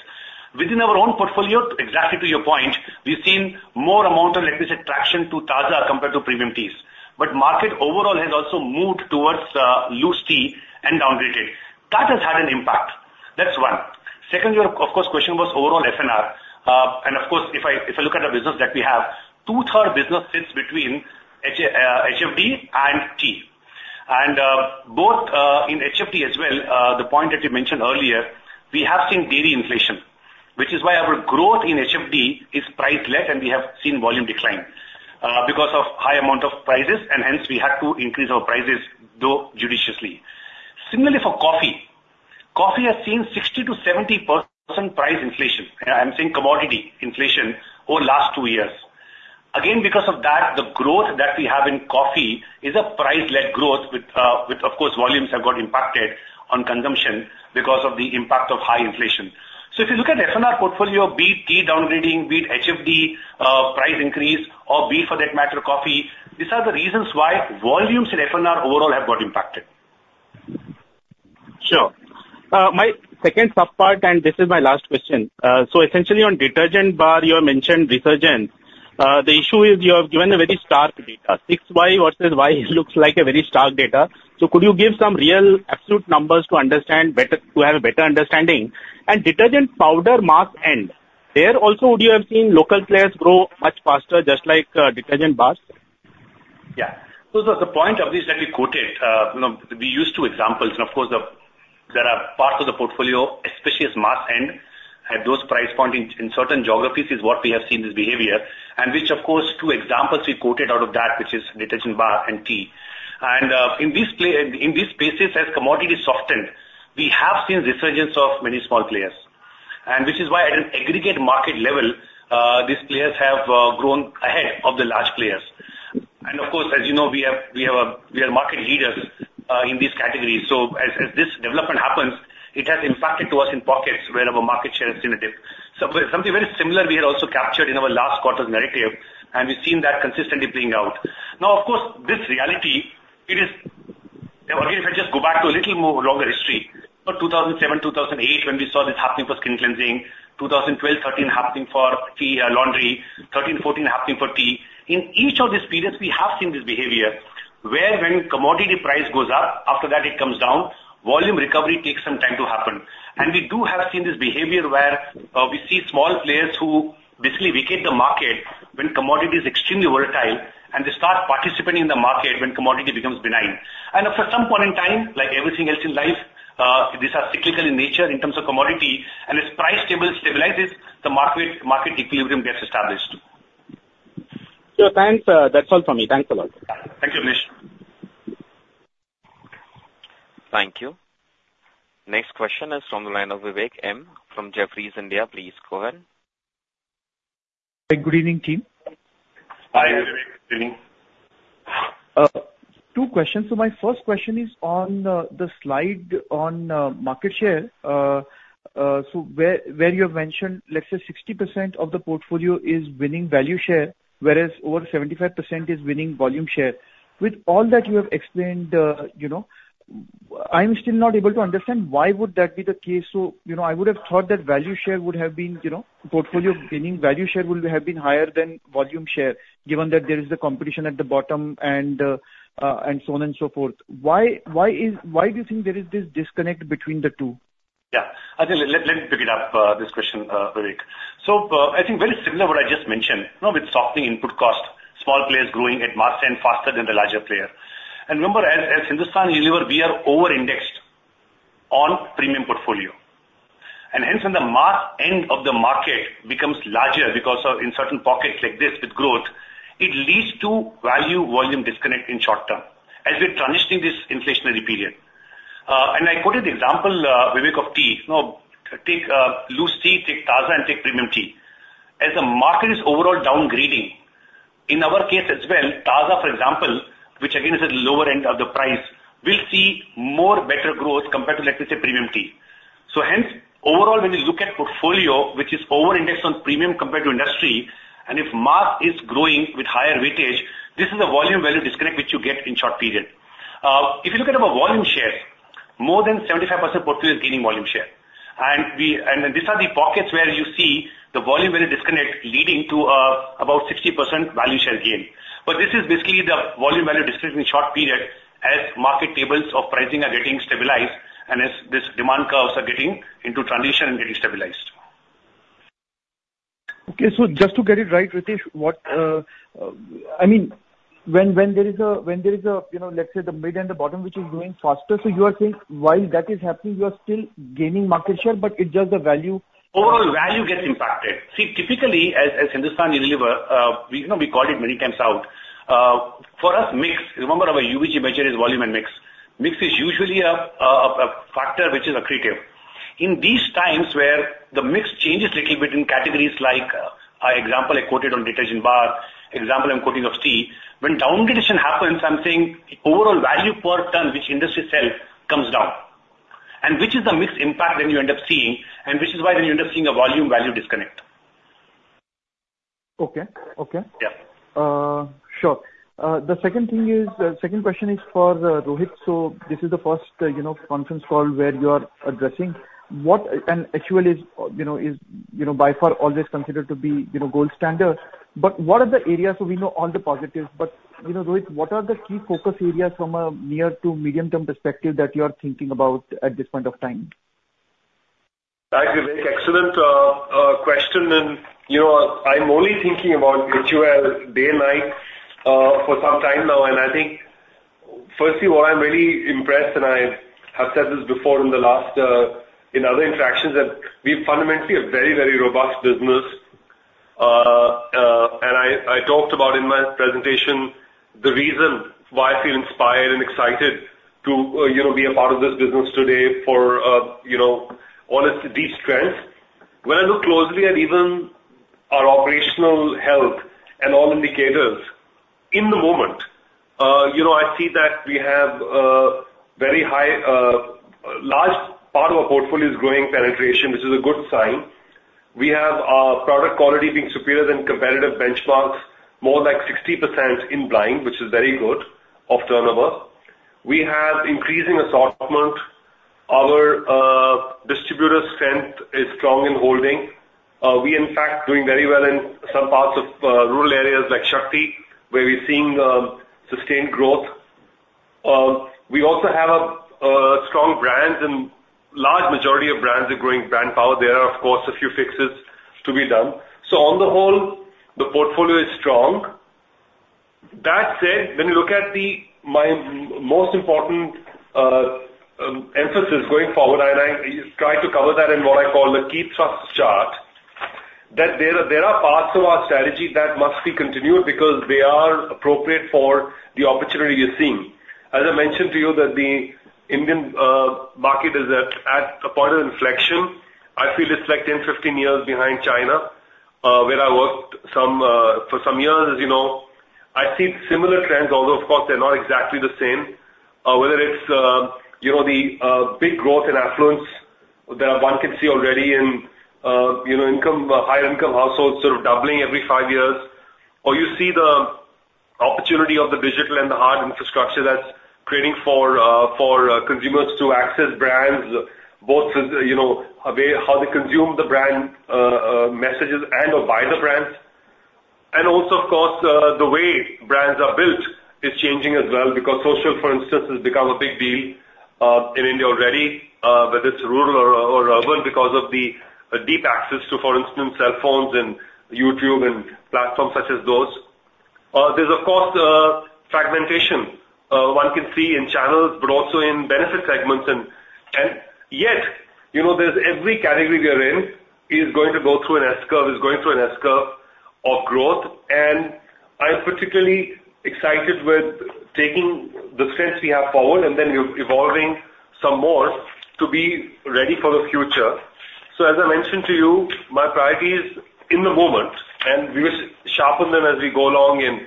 Within our own portfolio, exactly to your point, we've seen more amount of, let me say, traction to Taaza compared to premium teas, but market overall has also moved towards loose tea and downgraded. That has had an impact. That's one. Secondly, of course, question was overall F&R, and of course, if I look at the business that we have, 2/3 business sits between HFD and tea. And both in HFD as well, the point that you mentioned earlier, we have seen dairy inflation, which is why our growth in HFD is price led, and we have seen volume decline because of high amount of prices, and hence we had to increase our prices, though judiciously. Similarly, for coffee. Coffee has seen 60%-70% price inflation. I'm saying commodity inflation over last two years. Again, because of that, the growth that we have in coffee is a price-led growth, with, with of course, volumes have got impacted on consumption because of the impact of high inflation. So if you look at F&R portfolio, be it tea downgrading, be it HFD, price increase, or be it for that matter, coffee, these are the reasons why volumes in F&R overall have got impacted. Sure. My second sub part, and this is my last question. So essentially, on detergent bar, you have mentioned resurgent. The issue is you have given a very stark data. 6Y versus Y looks like a very stark data. So could you give some real absolute numbers to understand better, to have a better understanding? And detergent powder mass end, there also, would you have seen local players grow much faster, just like detergent bars? Yeah. So the point, Abneesh, that we quoted, you know, we used two examples and of course, there are parts of the portfolio, especially as mass end, at those price point in certain geographies, is what we have seen this behavior, and which, of course, two examples we quoted out of that, which is detergent bar and tea. And in these spaces, as commodity softened, we have seen resurgence of many small players. And which is why at an aggregate market level, these players have grown ahead of the large players. And of course, as you know, we are market leaders in these categories. So as this development happens, it has impacted to us in pockets where our market share has seen a dip. So something very similar, we had also captured in our last quarter's narrative, and we've seen that consistently playing out. Now, of course, this reality, it is... Again, if I just go back to a little more longer history, for 2007, 2008, when we saw this happening for skin cleansing, 2012, 13, happening for tea, laundry, 13, 14, happening for tea. In each of these periods, we have seen this behavior, where when commodity price goes up, after that it comes down, volume recovery takes some time to happen. And we do have seen this behavior where, we see small players who basically vacate the market when commodity is extremely volatile, and they start participating in the market when commodity becomes benign. For some point in time, like everything else in life, these are cyclical in nature in terms of commodity, and as price table stabilizes, market equilibrium gets established. Thanks, that's all for me. Thanks a lot. Thank you, Abneesh. Thank you. Next question is from the line of Vivek M from Jefferies India. Please go ahead. Good evening, team. Hi, Vivek. Good evening. Two questions. So my first question is on the slide on market share. So where you have mentioned, let's say 60% of the portfolio is winning value share, whereas over 75% is winning volume share. With all that you have explained, you know, I'm still not able to understand why would that be the case? So, you know, I would have thought that value share would have been, you know, portfolio winning. Value share would have been higher than volume share, given that there is a competition at the bottom and so on and so forth. Why do you think there is this disconnect between the two? Yeah. I think, let me pick it up, this question, Vivek. So, I think very similar to what I just mentioned. Now, with softening input cost, small players growing at mass and faster than the larger player. And remember, as Hindustan Unilever, we are over-indexed on premium portfolio, and hence, when the mass end of the market becomes larger, because of in certain pockets like this with growth, it leads to value/volume disconnect in short term, as we're transitioning this inflationary period. And I quoted the example, Vivek, of tea. You know, take loose tea, take Taaza and take premium tea. As the market is overall downgrading. In our case as well, Taaza, for example, which again, is at the lower end of the price, will see more better growth compared to, let's say, premium tea. So hence, overall, when you look at portfolio, which is over-indexed on premium compared to industry, and if mass is growing with higher weightage, this is a volume value disconnect which you get in short period. If you look at our volume share, more than 75% portfolio is gaining volume share. And these are the pockets where you see the volume value disconnect leading to about 60% value share gain. But this is basically the volume value disconnect in short period as market tables of pricing are getting stabilized and as this demand curves are getting into transition and getting stabilized. Okay, so just to get it right, Ritesh, what, I mean, when there is a, you know, let's say the mid and the bottom, which is growing faster, so you are saying while that is happening, you are still gaining market share, but it's just the value? Overall value gets impacted. See, typically as, as Hindustan Unilever, we, you know, we called it many times out. For us, mix, remember, our UVG measure is volume and mix. Mix is usually a factor which is accretive. In these times where the mix changes little bit in categories like, example I quoted on detergent bar, example I'm quoting of tea. When downgrading happens, I'm saying the overall value per ton, which industry sells, comes down, and which is the mix impact then you end up seeing, and which is why then you end up seeing a volume value disconnect. Okay. Okay. Yeah. Sure. The second thing is, second question is for Rohit. So this is the first, you know, conference call where you are addressing. What... and HUL is, you know, is, you know, by far always considered to be, you know, gold standard. But what are the areas, so we know all the positives, but, you know, Rohit, what are the key focus areas from a near to medium-term perspective that you are thinking about at this point of time? Thank you, Vivek. Excellent question. And, you know, I'm only thinking about HUL day and night, for some time now. And I think, firstly, what I'm really impressed, and I have said this before in the last, in other interactions, that we fundamentally are a very, very robust business. And I, I talked about in my presentation, the reason why I feel inspired and excited to, you know, be a part of this business today for, you know, all its deep strengths. When I look closely at even our operational health and all indicators in the moment, you know, I see that we have, very high, large part of our portfolio is growing penetration, which is a good sign. We have our product quality being superior than competitive benchmarks, more like 60% in blind, which is very good of turnover. We have increasing assortment. Our distributor strength is strong in holding. We in fact doing very well in some parts of rural areas like Shakti, where we're seeing sustained growth. We also have a strong brand, and large majority of brands are growing brand power. There are, of course, a few fixes to be done. So on the whole, the portfolio is strong. That said, when you look at the my most important emphasis going forward, and I tried to cover that in what I call the key thrust chart, that there are parts of our strategy that must be continued because they are appropriate for the opportunity we are seeing. As I mentioned to you, that the Indian market is at a point of inflection. I feel it's like 10, 15 years behind China, where I worked some for some years, as you know. I see similar trends, although, of course, they're not exactly the same, whether it's, you know, the big growth in affluence that one can see already in, you know, income, higher income households sort of doubling every five years. Or you see the opportunity of the digital and the hard infrastructure that's creating for consumers to access brands, both, as you know, a way how they consume the brand messages and/or buy the brands. Also, of course, the way brands are built is changing as well, because social, for instance, has become a big deal in India already, whether it's rural or urban, because of the deep access to, for instance, cell phones and YouTube and platforms such as those. There's of course fragmentation one can see in channels, but also in benefit segments. And yet, you know, every category we are in is going to go through an S-curve, is going through an S-curve of growth, and I'm particularly excited with taking the strengths we have forward and then evolving some more to be ready for the future. So as I mentioned to you, my priority is in the moment, and we will sharpen them as we go along and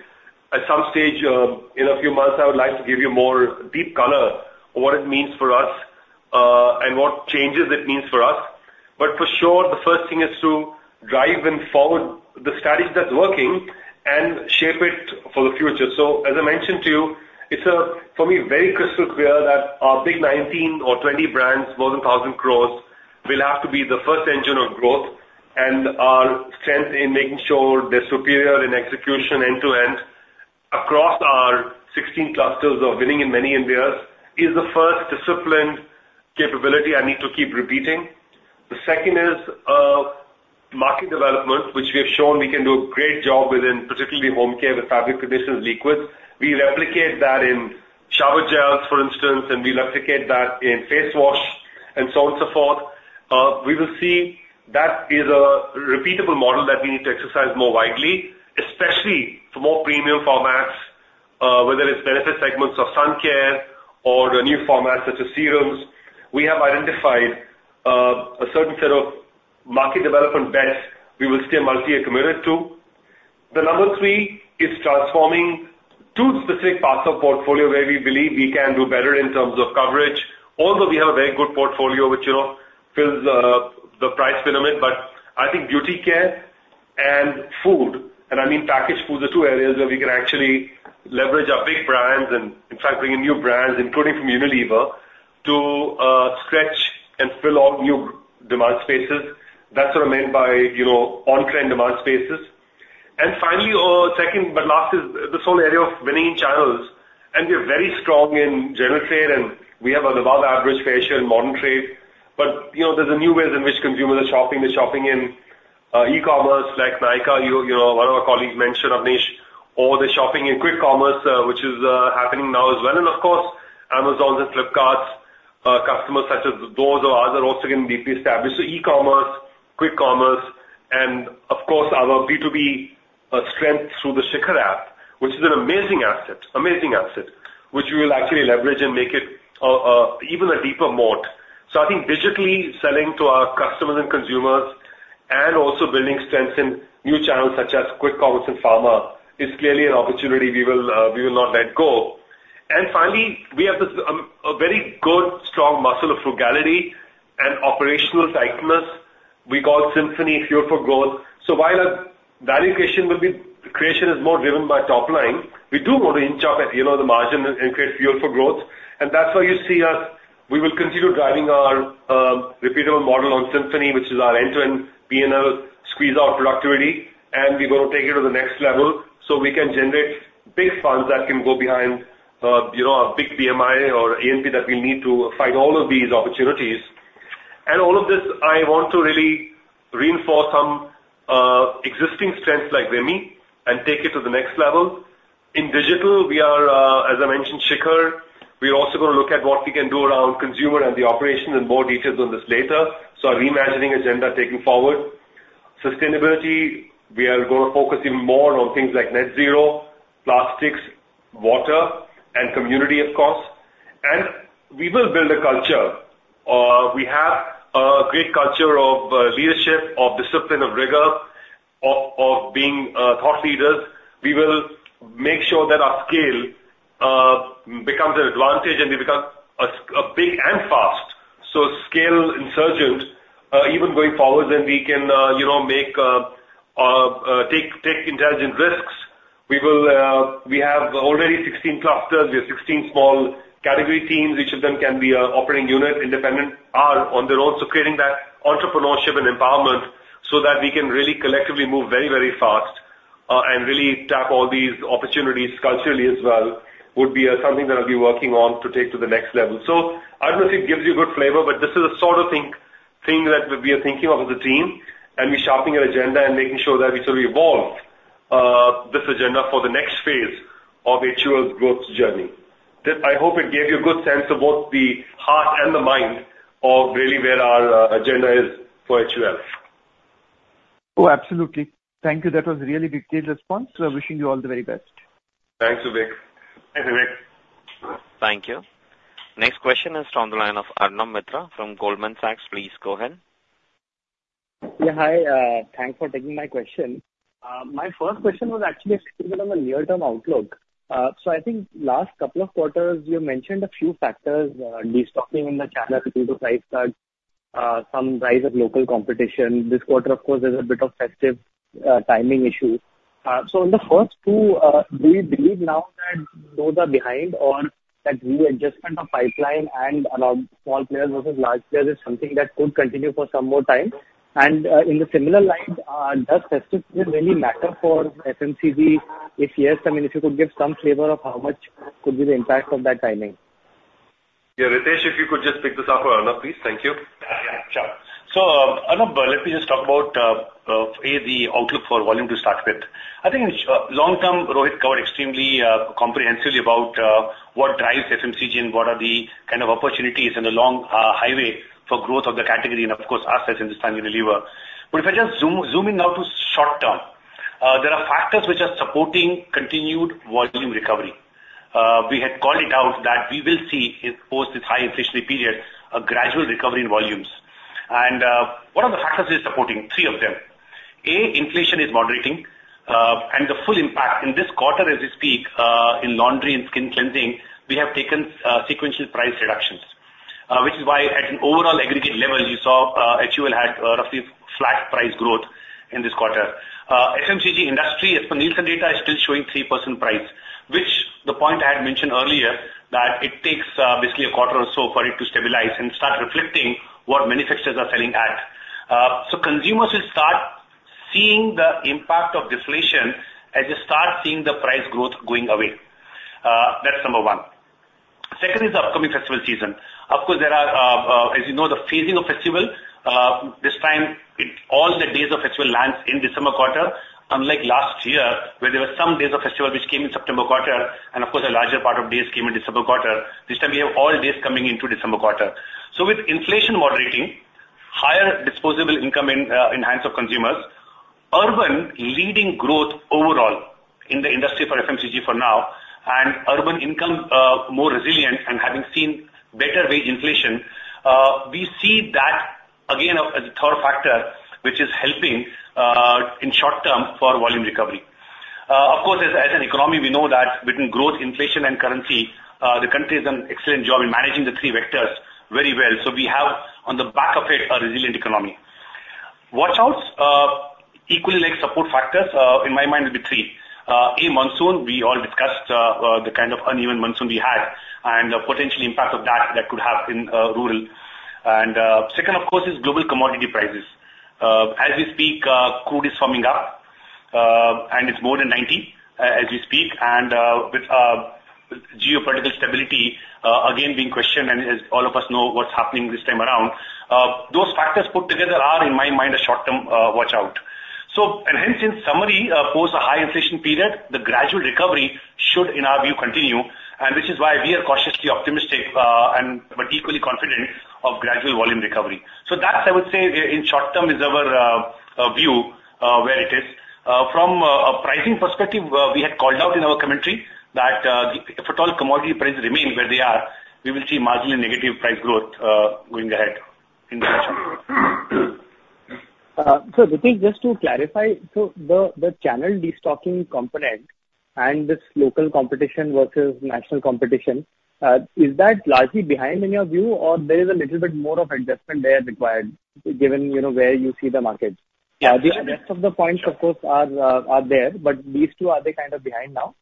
at some stage, in a few months, I would like to give you more deep color on what it means for us, and what changes it means for us. But for sure, the first thing is to drive them forward, the strategy that's working, and shape it for the future. So as I mentioned to you, it's, for me, very crystal clear that our big 19 or 20 brands, more than 1,000 crore, will have to be the first engine of growth and our strength in making sure they're superior in execution end-to-end across our 16 clusters of Winning in Many Indias, is the first disciplined capability I need to keep repeating. The second is, market development, which we have shown we can do a great job within, particularly Home Care, with fabric conditioners, liquids. We replicate that in shower gels, for instance, and we replicate that in face wash and so on and so forth. We will see that is a repeatable model that we need to exercise more widely, especially for more premium formats....other segments of sun care or a new format, such as serums. We have identified, a certain set of market development bets we will stay multi-year committed to. The number three is transforming two specific parts of portfolio where we believe we can do better in terms of coverage. Although we have a very good portfolio, which, you know, fills the price pyramid, but I think beauty care and food, and I mean, packaged food, are two areas where we can actually leverage our big brands and in fact, bring in new brands, including from Unilever, to stretch and fill all new demand spaces. That's what I mean by, you know, on-trend demand spaces. And finally, second, but last, is this whole area of winning channels. And we are very strong in general trade, and we have an above average ratio in modern trade. But, you know, there's a new ways in which consumers are shopping. They're shopping in e-commerce, like Nykaa, you, you know, one of our colleagues mentioned, Abneesh, or they're shopping in quick commerce, which is happening now as well. And of course, Amazon's and Flipkart's customers, such as those or other, also can be established. So e-commerce, quick commerce, and of course, our B2B strength through the Shikhar app, which is an amazing asset, amazing asset, which we will actually leverage and make it even a deeper moat. So I think digitally selling to our customers and consumers and also building strengths in new channels such as quick commerce and pharma is clearly an opportunity we will not let go. And finally, we have this a very good, strong muscle of frugality and operational tightness we call Symphony Fuel for Growth. So while value creation will be... creation is more driven by top line, we do want to inch up at, you know, the margin and create fuel for growth. That's why you see us, we will continue driving our repeatable model on Symphony, which is our end-to-end P&L, squeeze out productivity, and we're going to take it to the next level, so we can generate big funds that can go behind, you know, a big BMI or A&P that we need to fight all of these opportunities. And all of this, I want to really reinforce some existing strengths, like WiMI, and take it to the next level. In digital, we are, as I mentioned, Shikhar, we are also going to look at what we can do around consumer and the operation, and more details on this later. So our reimagining agenda taking forward. Sustainability, we are going to focus in more on things like net zero, plastics, water, and community, of course. And we will build a culture. We have a great culture of leadership, of discipline, of rigor, of being thought leaders. We will make sure that our scale becomes an advantage and we become a big and fast scale insurgent even going forward, then we can you know make take intelligent risks. We have already 16 clusters. We have 16 small category teams. Each of them can be a operating unit, independent, on their own. So creating that entrepreneurship and empowerment so that we can really collectively move very, very fast and really tap all these opportunities culturally as well would be something that I'll be working on to take to the next level. So I don't know if it gives you a good flavor, but this is the sort of thing that we are thinking of as a team, and we're sharpening our agenda and making sure that we sort of evolve this agenda for the next phase of HUL's growth journey. This, I hope it gave you a good sense of both the heart and the mind of really where our agenda is for HUL. Oh, absolutely. Thank you. That was a really detailed response. We're wishing you all the very best. Thanks, Vivek. Thanks, Vivek. Thank you. Next question is from the line of Arnab Mitra from Goldman Sachs. Please go ahead. Yeah, hi. Thanks for taking my question. My first question was actually specific on the near-term outlook. So I think last couple of quarters, you mentioned a few factors, destocking in the channel due to price cuts, some rise of local competition. This quarter, of course, there's a bit of festive timing issue. So in the first two, do you believe now that those are behind or that readjustment of pipeline and around small players versus large players is something that could continue for some more time? And, in the similar line, does festive season really matter for FMCG? If yes, I mean, if you could give some flavor of how much could be the impact of that timing. Yeah, Ritesh, if you could just pick this up for Arnab, please. Thank you. Yeah, sure. So, Arnab, let me just talk about A, the outlook for volume to start with. I think, long term, Rohit covered extremely comprehensively about what drives FMCG and what are the kind of opportunities in the long highway for growth of the category and of course, us as Hindustan Unilever. But if I just zoom, zooming now to short term, there are factors which are supporting continued volume recovery. We had called it out that we will see, post this high inflationary period, a gradual recovery in volumes. And, what are the factors we are supporting? Three of them: A, inflation is moderating, and the full impact in this quarter as we speak, in laundry and skin cleansing, we have taken sequential price reductions. Which is why at an overall aggregate level, you saw, HUL had a roughly flat price growth in this quarter. FMCG industry, as per Nielsen data, is still showing 3% price, which the point I had mentioned earlier, that it takes, basically a quarter or so for it to stabilize and start reflecting what manufacturers are selling at. So consumers will start seeing the impact of deflation as they start seeing the price growth going away. That's number one. Second is the upcoming festival season. Of course, there are, as you know, the phasing of festival, this time, all the days of festival lands in December quarter, unlike last year, where there were some days of festival which came in September quarter, and of course, a larger part of days came in December quarter. This time we have all days coming into December quarter. So with inflation moderating, higher disposable income in hands of consumers urban leading growth overall in the industry for FMCG for now, and urban income more resilient and having seen better wage inflation, we see that again, as a third factor, which is helping in short term for volume recovery. Of course, as an economy, we know that between growth, inflation, and currency, the country has done an excellent job in managing the three vectors very well. So we have, on the back of it, a resilient economy. Watch outs equally like support factors in my mind will be three. A, monsoon, we all discussed the kind of uneven monsoon we had and the potential impact of that that could have in rural. Second, of course, is global commodity prices. As we speak, crude is firming up, and it's more than $90, as we speak, and with geopolitical stability again being questioned, and as all of us know, what's happening this time around. Those factors put together are, in my mind, a short-term watch out. And hence, in summary, post a high inflation period, the gradual recovery should, in our view, continue, and which is why we are cautiously optimistic, and but equally confident of gradual volume recovery. So that, I would say, in short term, is our view, where it is. From a pricing perspective, we had called out in our commentary that, if at all commodity prices remain where they are, we will see marginal and negative price growth, going ahead in the future. So, Ritesh, just to clarify, so the channel destocking component and this local competition versus national competition, is that largely behind in your view, or there is a little bit more of adjustment there required, given you know where you see the market? Yeah. The rest of the points, of course, are there, but these two, are they kind of behind now?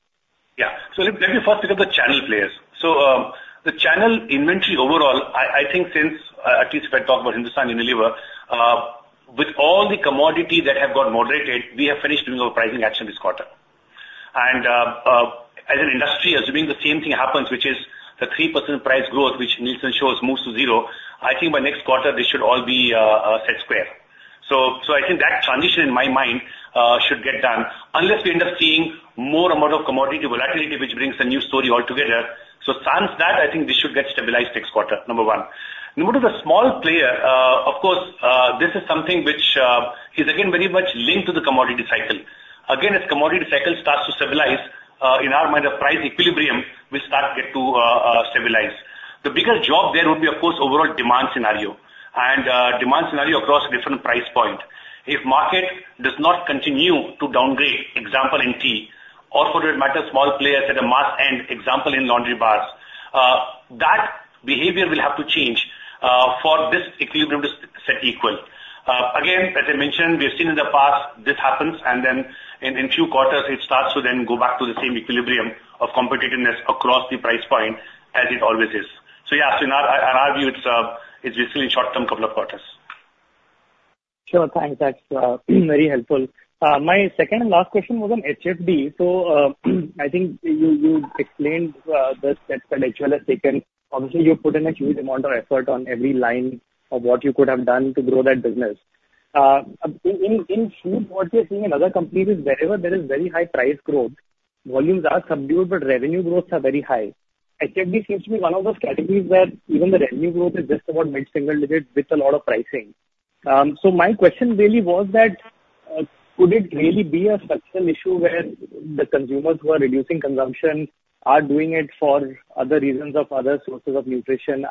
Yeah. So let me first look at the channel players. So, the channel inventory overall, I think since at least if I talk about Hindustan Unilever, with all the commodities that have got moderated, we have finished doing our pricing action this quarter. And, as an industry, as doing the same thing happens, which is the 3% price growth, which Nielsen shows moves to zero, I think by next quarter, they should all be set square. So, I think that transition, in my mind, should get done unless we end up seeing more amount of commodity volatility, which brings a new story altogether. So sans that, I think we should get stabilized next quarter, number one. In order to the small player, of course, this is something which is again, very much linked to the commodity cycle. Again, as commodity cycle starts to stabilize, in our mind, the price equilibrium will start get to, stabilize. The bigger job there would be, of course, overall demand scenario, and, demand scenario across different price point. If market does not continue to downgrade, example in tea, or for that matter, small players at a mass end, example in laundry bars, that behavior will have to change, for this equilibrium to set equal. Again, as I mentioned, we have seen in the past, this happens, and then in few quarters, it starts to then go back to the same equilibrium of competitiveness across the price point as it always is. So yeah, so in our—I argue it's still in short term, couple of quarters. Sure. Thanks. That's very helpful. My second and last question was on HFD. So, I think you explained the steps that HUL has taken. Obviously, you put in a huge amount of effort on every line of what you could have done to grow that business. In few quarters, we are seeing in other companies is wherever there is very high price growth, volumes are subdued, but revenue growths are very high. HFD seems to be one of those categories where even the revenue growth is just about mid-single digits with a lot of pricing. So my question really was that, could it really be a structural issue where the consumers who are reducing consumption are doing it for other reasons of other sources of nutrition?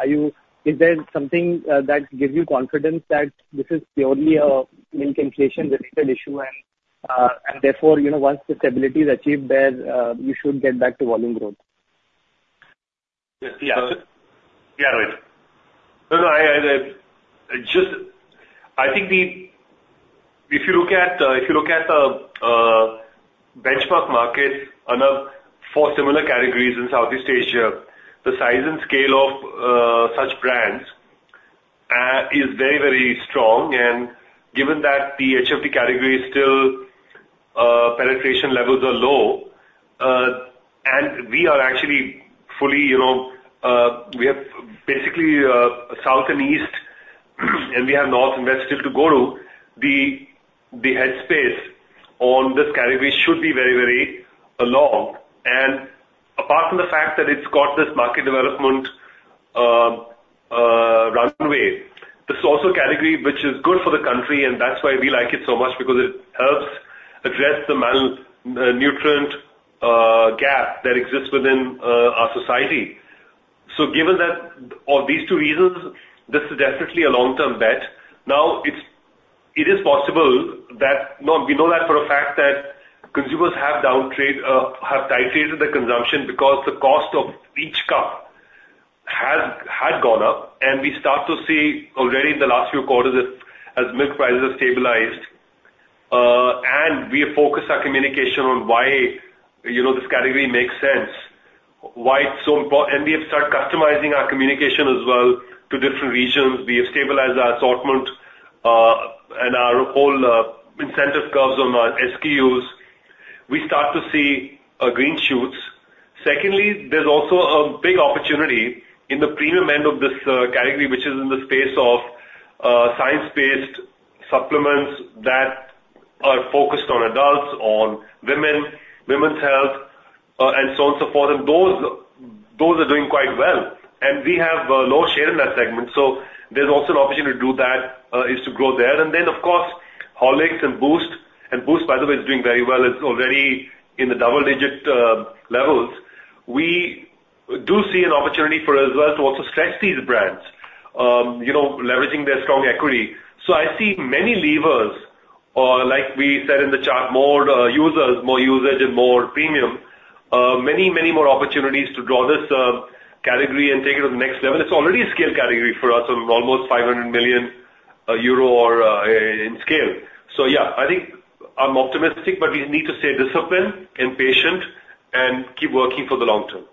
Is there something that gives you confidence that this is purely a milk inflation-related issue, and therefore, you know, once stability is achieved there, you should get back to volume growth? Yes. Yeah. Yeah, right. No, no, I just... I think if you look at the benchmark markets in four similar categories in Southeast Asia, the size and scale of such brands is very, very strong. And given that the HFD category is still penetration levels are low, and we are actually fully, you know, we have basically south and east, and we have north and west still to go to, the headroom on this category should be very, very long. And apart from the fact that it's got this market development runway, this is also a category which is good for the country, and that's why we like it so much, because it helps address the malnutrition gap that exists within our society. So given that, or these two reasons, this is definitely a long-term bet. Now, it is possible that... No, we know that for a fact that consumers have downtrade, have titrated their consumption because the cost of each cup has gone up, and we start to see already in the last few quarters as milk prices have stabilized, and we have focused our communication on why, you know, this category makes sense, why it's so important, and we have started customizing our communication as well to different regions. We have stabilized our assortment, and our whole incentive curves on our SKUs. We start to see green shoots. Secondly, there's also a big opportunity in the premium end of this category, which is in the space of science-based supplements that are focused-... Women, women's health, and so on, so forth, and those, those are doing quite well, and we have low share in that segment, so there's also an opportunity to do that is to grow there. And then, of course, Horlicks and Boost, and Boost, by the way, is doing very well. It's already in the double-digit levels. We do see an opportunity for us as well to also stretch these brands, you know, leveraging their strong equity. So I see many levers, or like we said in the chart, more users, more usage and more premium, many, many more opportunities to draw this category and take it to the next level. It's already a scale category for us of almost 500 million euro or in scale. So yeah, I think I'm optimistic, but we need to stay disciplined and patient and keep working for the long term.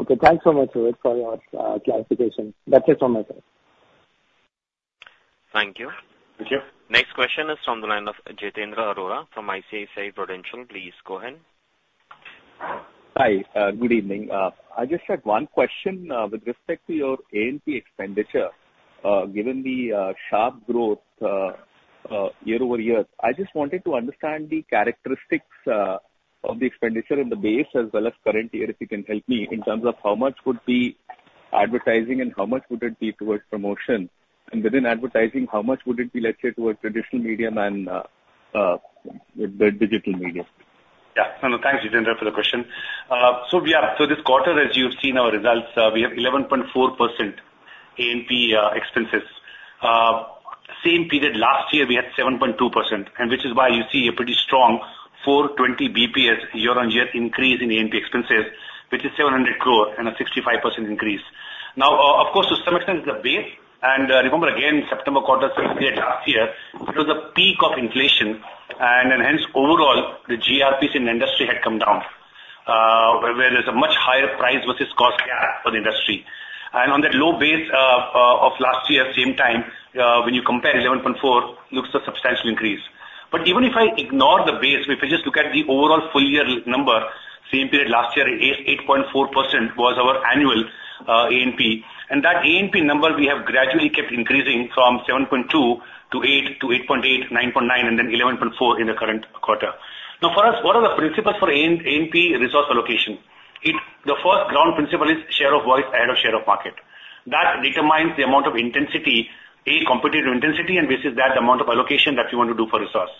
Okay, thanks so much, Rohit, for your clarification. That's it on my side. Thank you. Thank you. Next question is from the line of Jitendra Arora from ICICI Prudential. Please go ahead. Hi, good evening. I just had one question, with respect to your A&P expenditure. Given the sharp growth year-over-year, I just wanted to understand the characteristics of the expenditure in the base as well as current year, if you can help me, in terms of how much would be advertising and how much would it be towards promotion? And within advertising, how much would it be, let's say, towards traditional medium and the digital medium? Yeah. No, no, thanks, Jitendra, for the question. So yeah, so this quarter, as you've seen our results, we have 11.4% A&P expenses. Same period last year, we had 7.2%, and which is why you see a pretty strong 420 basis points year-on-year increase in A&P expenses, which is 700 crore and a 65% increase. Now, of course, system is the base, and, remember, again, September quarter last year, it was a peak of inflation, and then, hence, overall, the GRPs in the industry had come down, where there's a much higher price versus cost for the industry. And on that low base, of last year, same time, when you compare 11.4%, looks a substantial increase. But even if I ignore the base, if I just look at the overall full year number, same period last year, 8.4% was our annual A&P. And that A&P number, we have gradually kept increasing from 7.2% to 8% to 8.8%, 9.9%, and then 11.4% in the current quarter. Now, for us, what are the principles for A&P resource allocation? The first ground principle is share of voice and a share of market. That determines the amount of intensity, competitive intensity, and versus that, the amount of allocation that you want to do for resource.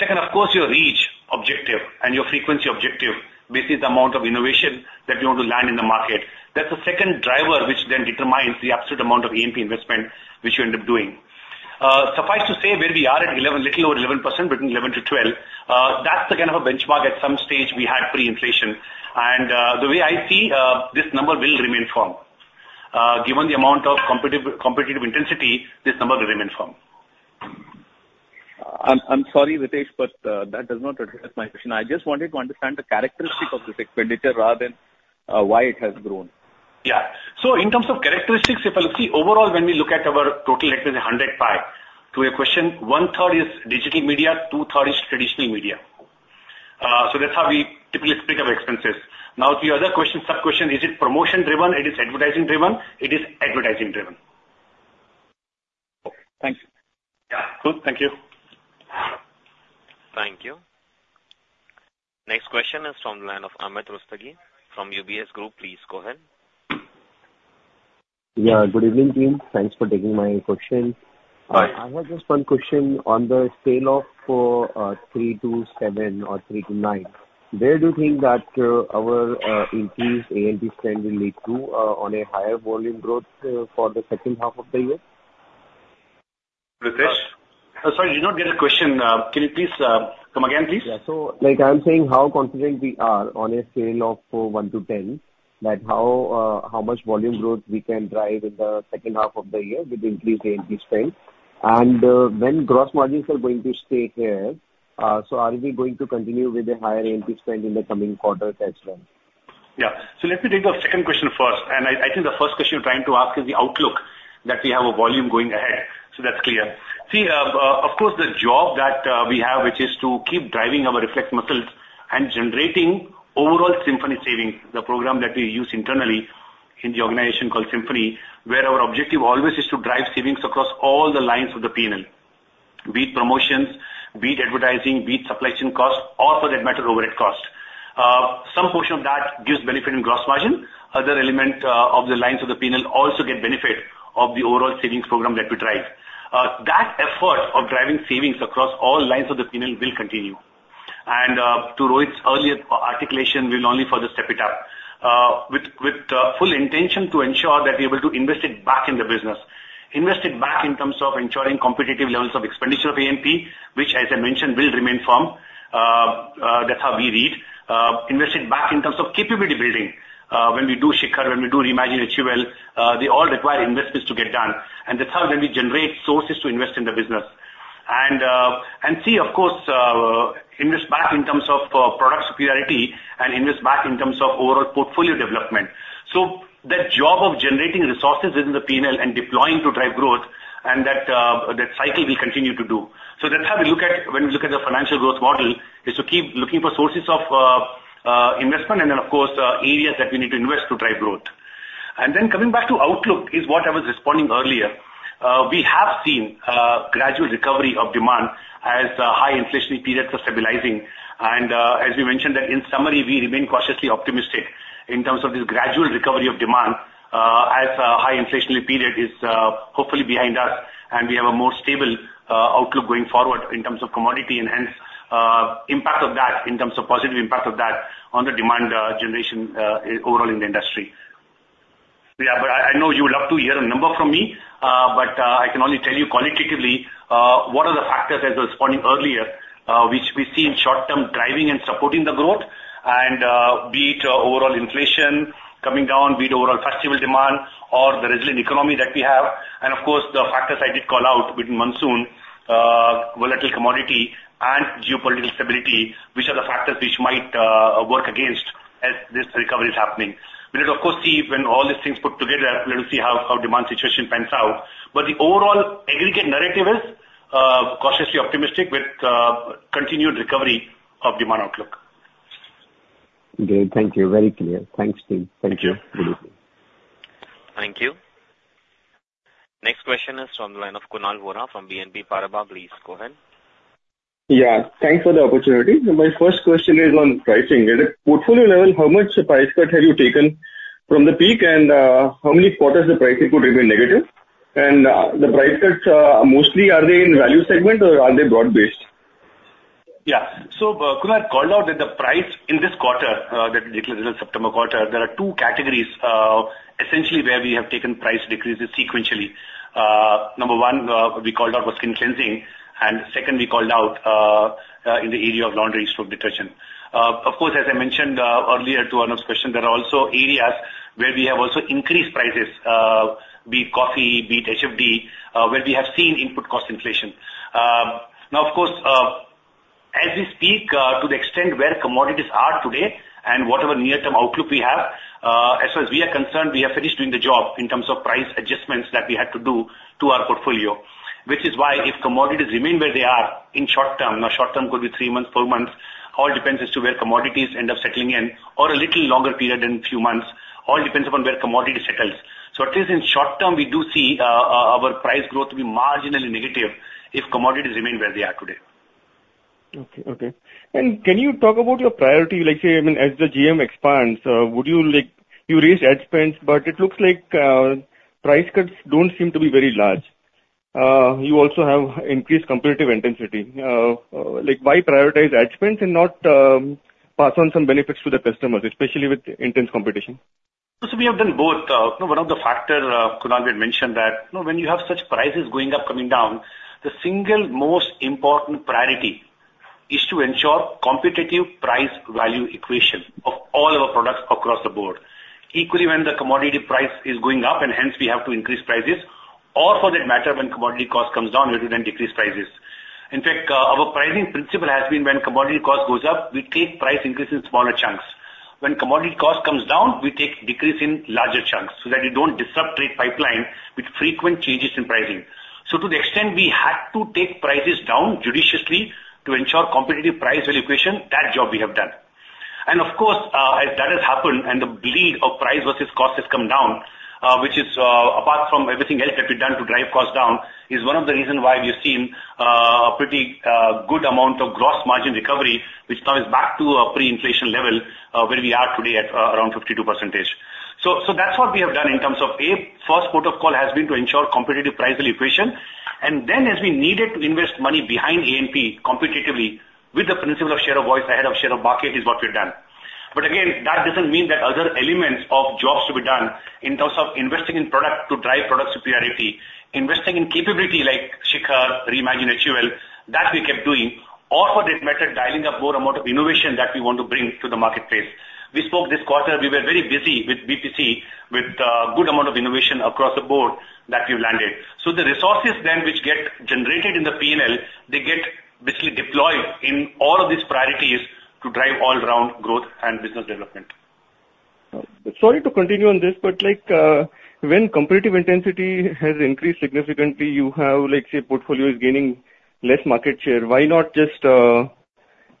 Second, of course, your reach objective and your frequency objective. This is the amount of innovation that you want to land in the market. That's the second driver, which then determines the absolute amount of A&P investment which you end up doing. Suffice to say, where we are at 11%, a little over 11%, between 11%-12%, that's the kind of a benchmark at some stage we had pre-inflation. And, the way I see, this number will remain firm. Given the amount of competitive intensity, this number will remain firm. I'm sorry, Ritesh, but that does not address my question. I just wanted to understand the characteristics of this expenditure rather than why it has grown. Yeah. So in terms of characteristics, if I look, see, overall, when we look at our total expenses, 100 pie, to your question, 1/3 is digital medium, 2/3 is traditional medium. So that's how we typically speak of expenses. Now, to your other question, sub-question, is it promotion driven? It is advertising driven? It is advertising driven. Okay, thanks. Yeah. Cool. Thank you. Thank you. Next question is from the line of Amit Rustagi from UBS Group. Please go ahead. Yeah, good evening, team. Thanks for taking my question. Hi. I have just one question on the scale of three to seven or three to nine. Where do you think that our increased A&P spend will lead to on a higher volume growth for the second half of the year? Ritesh? Sorry, did not get the question. Can you please come again, please? Yeah. So, like I'm saying, how confident we are on a scale of one to 10, that how, how much volume growth we can drive in the second half of the year with increased A&P spend? And, when gross margins are going to stay here, so are we going to continue with a higher A&P spend in the coming quarters as well? Yeah. So let me take your second question first, and I, I think the first question you're trying to ask is the outlook, that we have a volume going ahead. So that's clear. See, of course, the job that we have, which is to keep driving our reflex muscles and generating overall Symphony savings, the program that we use internally in the organization called Symphony, where our objective always is to drive savings across all the lines of the P&L, be it promotions, be it advertising, be it supply chain costs, or for that matter, overhead costs. Some portion of that gives benefit in gross margin. Other element of the lines of the P&L also get benefit of the overall savings program that we drive. That effort of driving savings across all lines of the P&L will continue. To Rohit's earlier articulation, we'll only further step it up, with full intention to ensure that we are able to invest it back in the business. Invest it back in terms of ensuring competitive levels of expenditure of A&P, which, as I mentioned, will remain firm. That's how we read. Invest it back in terms of capability building. When we do Shikhar, when we do Reimagine HUL, they all require investments to get done. And the third, when we generate sources to invest in the business. And, and see, of course, invest back in terms of, product superiority and invest back in terms of overall portfolio development. So that job of generating resources within the P&L and deploying to drive growth and that, that cycle will continue to do. So that's how we look at when we look at the financial growth model, is to keep looking for sources of investment and then, of course, areas that we need to invest to drive growth. And then coming back to outlook is what I was responding earlier. We have seen gradual recovery of demand as high inflationary periods are stabilizing. And as we mentioned that in summary, we remain cautiously optimistic in terms of this gradual recovery of demand, as high inflationary period is hopefully behind us, and we have a more stable outlook going forward in terms of commodity and hence impact of that, in terms of positive impact of that on the demand generation overall in the industry. Yeah, but I, I know you would love to hear a number from me, but, I can only tell you qualitatively, what are the factors, as I was responding earlier, which we see in short-term driving and supporting the growth and, be it overall inflation coming down, be it overall festival demand or the resilient economy that we have. And of course, the factors I did call out between monsoon, volatile commodity and geopolitical stability, which are the factors which might, work against as this recovery is happening. We will, of course, see when all these things put together, we will see how, how demand situation pans out. But the overall aggregate narrative is, cautiously optimistic with, continued recovery of demand outlook. Great. Thank you. Very clear. Thanks, team. Thank you. Thank you. Next question is from the line of Kunal Vora from BNP Paribas. Please go ahead. Yeah, thanks for the opportunity. My first question is on pricing. At a portfolio level, how much price cut have you taken from the peak? And, how many quarters the pricing could remain negative? And, the price cuts, mostly are they in value segment, or are they broad-based? Yeah. So, Kunal called out that the price in this quarter, that is in September quarter, there are two categories, essentially, where we have taken price decreases sequentially. Number one, we called out for skin cleansing, and second, we called out in the area of laundry soap detergent. Of course, as I mentioned earlier to Arnab's question, there are also areas where we have also increased prices, be it coffee, be it HFD, where we have seen input cost inflation. Now, of course, as we speak, to the extent where commodities are today and whatever near-term outlook we have, as far as we are concerned, we are finished doing the job in terms of price adjustments that we had to do to our portfolio. Which is why if commodities remain where they are in short term, now, short term could be three months, four months, all depends as to where commodities end up settling in or a little longer period than a few months, all depends upon where commodity settles. So at least in short term, we do see our price growth to be marginally negative if commodities remain where they are today. Okay, okay. And can you talk about your priority? Like, say, I mean, as the GM expands, would you like... You raised ad spends, but it looks like price cuts don't seem to be very large. Like, why prioritize ad spends and not pass on some benefits to the customers, especially with intense competition? So we have done both. One of the factor, Kunal had mentioned that, you know, when you have such prices going up, coming down, the single most important priority is to ensure competitive price value equation of all our products across the board. Equally, when the commodity price is going up, and hence we have to increase prices, or for that matter, when commodity cost comes down, we then decrease prices. In fact, our pricing principle has been when commodity cost goes up, we take price increase in smaller chunks. When commodity cost comes down, we take decrease in larger chunks, so that we don't disrupt trade pipeline with frequent changes in pricing. So to the extent we had to take prices down judiciously to ensure competitive price value equation, that job we have done. Of course, as that has happened and the bleed of price versus cost has come down, which is, apart from everything else that we've done to drive costs down, one of the reasons why we've seen a pretty good amount of gross margin recovery, which now is back to a pre-inflation level, where we are today at around 52%. So that's what we have done in terms of A, first port of call has been to ensure competitive price equation, and then, as we needed to invest money behind A&P competitively with the principle of share of voice, ahead of share of market, is what we've done. But again, that doesn't mean that other elements of jobs to be done in terms of investing in product to drive product superiority, investing in capability like Shikhar, Reimagine HUL, that we kept doing, or for that matter, dialing up more amount of innovation that we want to bring to the marketplace. We spoke this quarter, we were very busy with B2C, with good amount of innovation across the board that we've landed. So the resources then, which get generated in the P&L, they get basically deployed in all of these priorities to drive all-round growth and business development. Sorry to continue on this, but like, when competitive intensity has increased significantly, you have, let's say, portfolio is gaining less market share. Why not just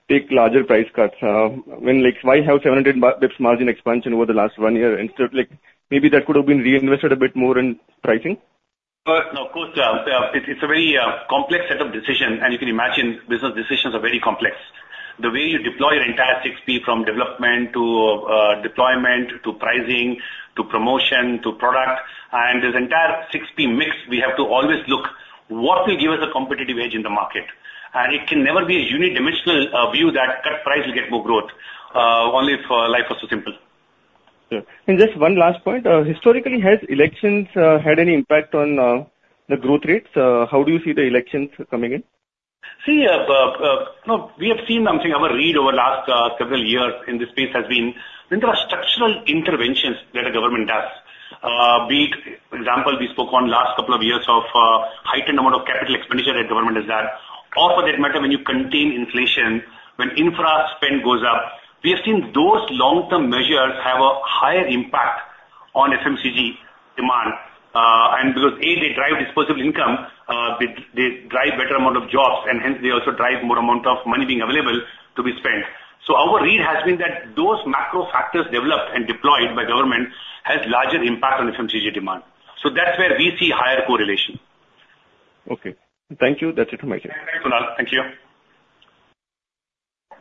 take larger price cuts? When, like, why have 700 basis points margin expansion over the last one year instead of, like, maybe that could have been reinvested a bit more in pricing? No, of course, it's a very complex set of decisions, and you can imagine business decisions are very complex. The way you deploy your entire 6P, from development to deployment, to pricing, to promotion, to product, and this entire 6P mix, we have to always look what will give us a competitive edge in the market. And it can never be a unidimensional view that cut price will get more growth. Only if life was so simple. Yeah. And just one last point. Historically, has elections had any impact on the growth rates? How do you see the elections coming in? See, no, we have seen, I'm saying our read over the last several years in this space has been when there are structural interventions that the government does, be it example, we spoke on last couple of years of heightened amount of capital expenditure that government has done, or for that matter, when you contain inflation, when infra spend goes up, we have seen those long-term measures have a higher impact on FMCG demand, and because, A, they drive disposable income, they, they drive better amount of jobs, and hence they also drive more amount of money being available to be spent. So our read has been that those macro factors developed and deployed by government has larger impact on FMCG demand. So that's where we see higher correlation. Okay. Thank you. That's it from my end. Thanks, Kunal. Thank you.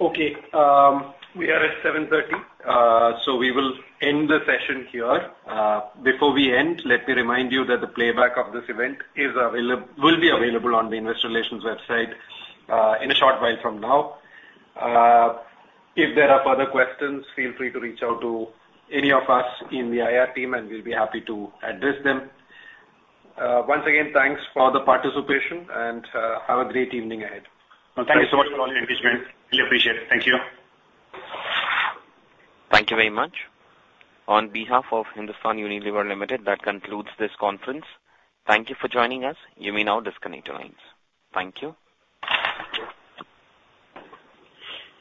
Okay, we are at 7:30, so we will end the session here. Before we end, let me remind you that the playback of this event will be available on the Investor Relations website, in a short while from now. If there are further questions, feel free to reach out to any of us in the IR team, and we'll be happy to address them. Once again, thanks for the participation, and have a great evening ahead. Thank you so much for all your engagement. Really appreciate it. Thank you. Thank you very much. On behalf of Hindustan Unilever Limited, that concludes this conference. Thank you for joining us. You may now disconnect your lines. Thank you.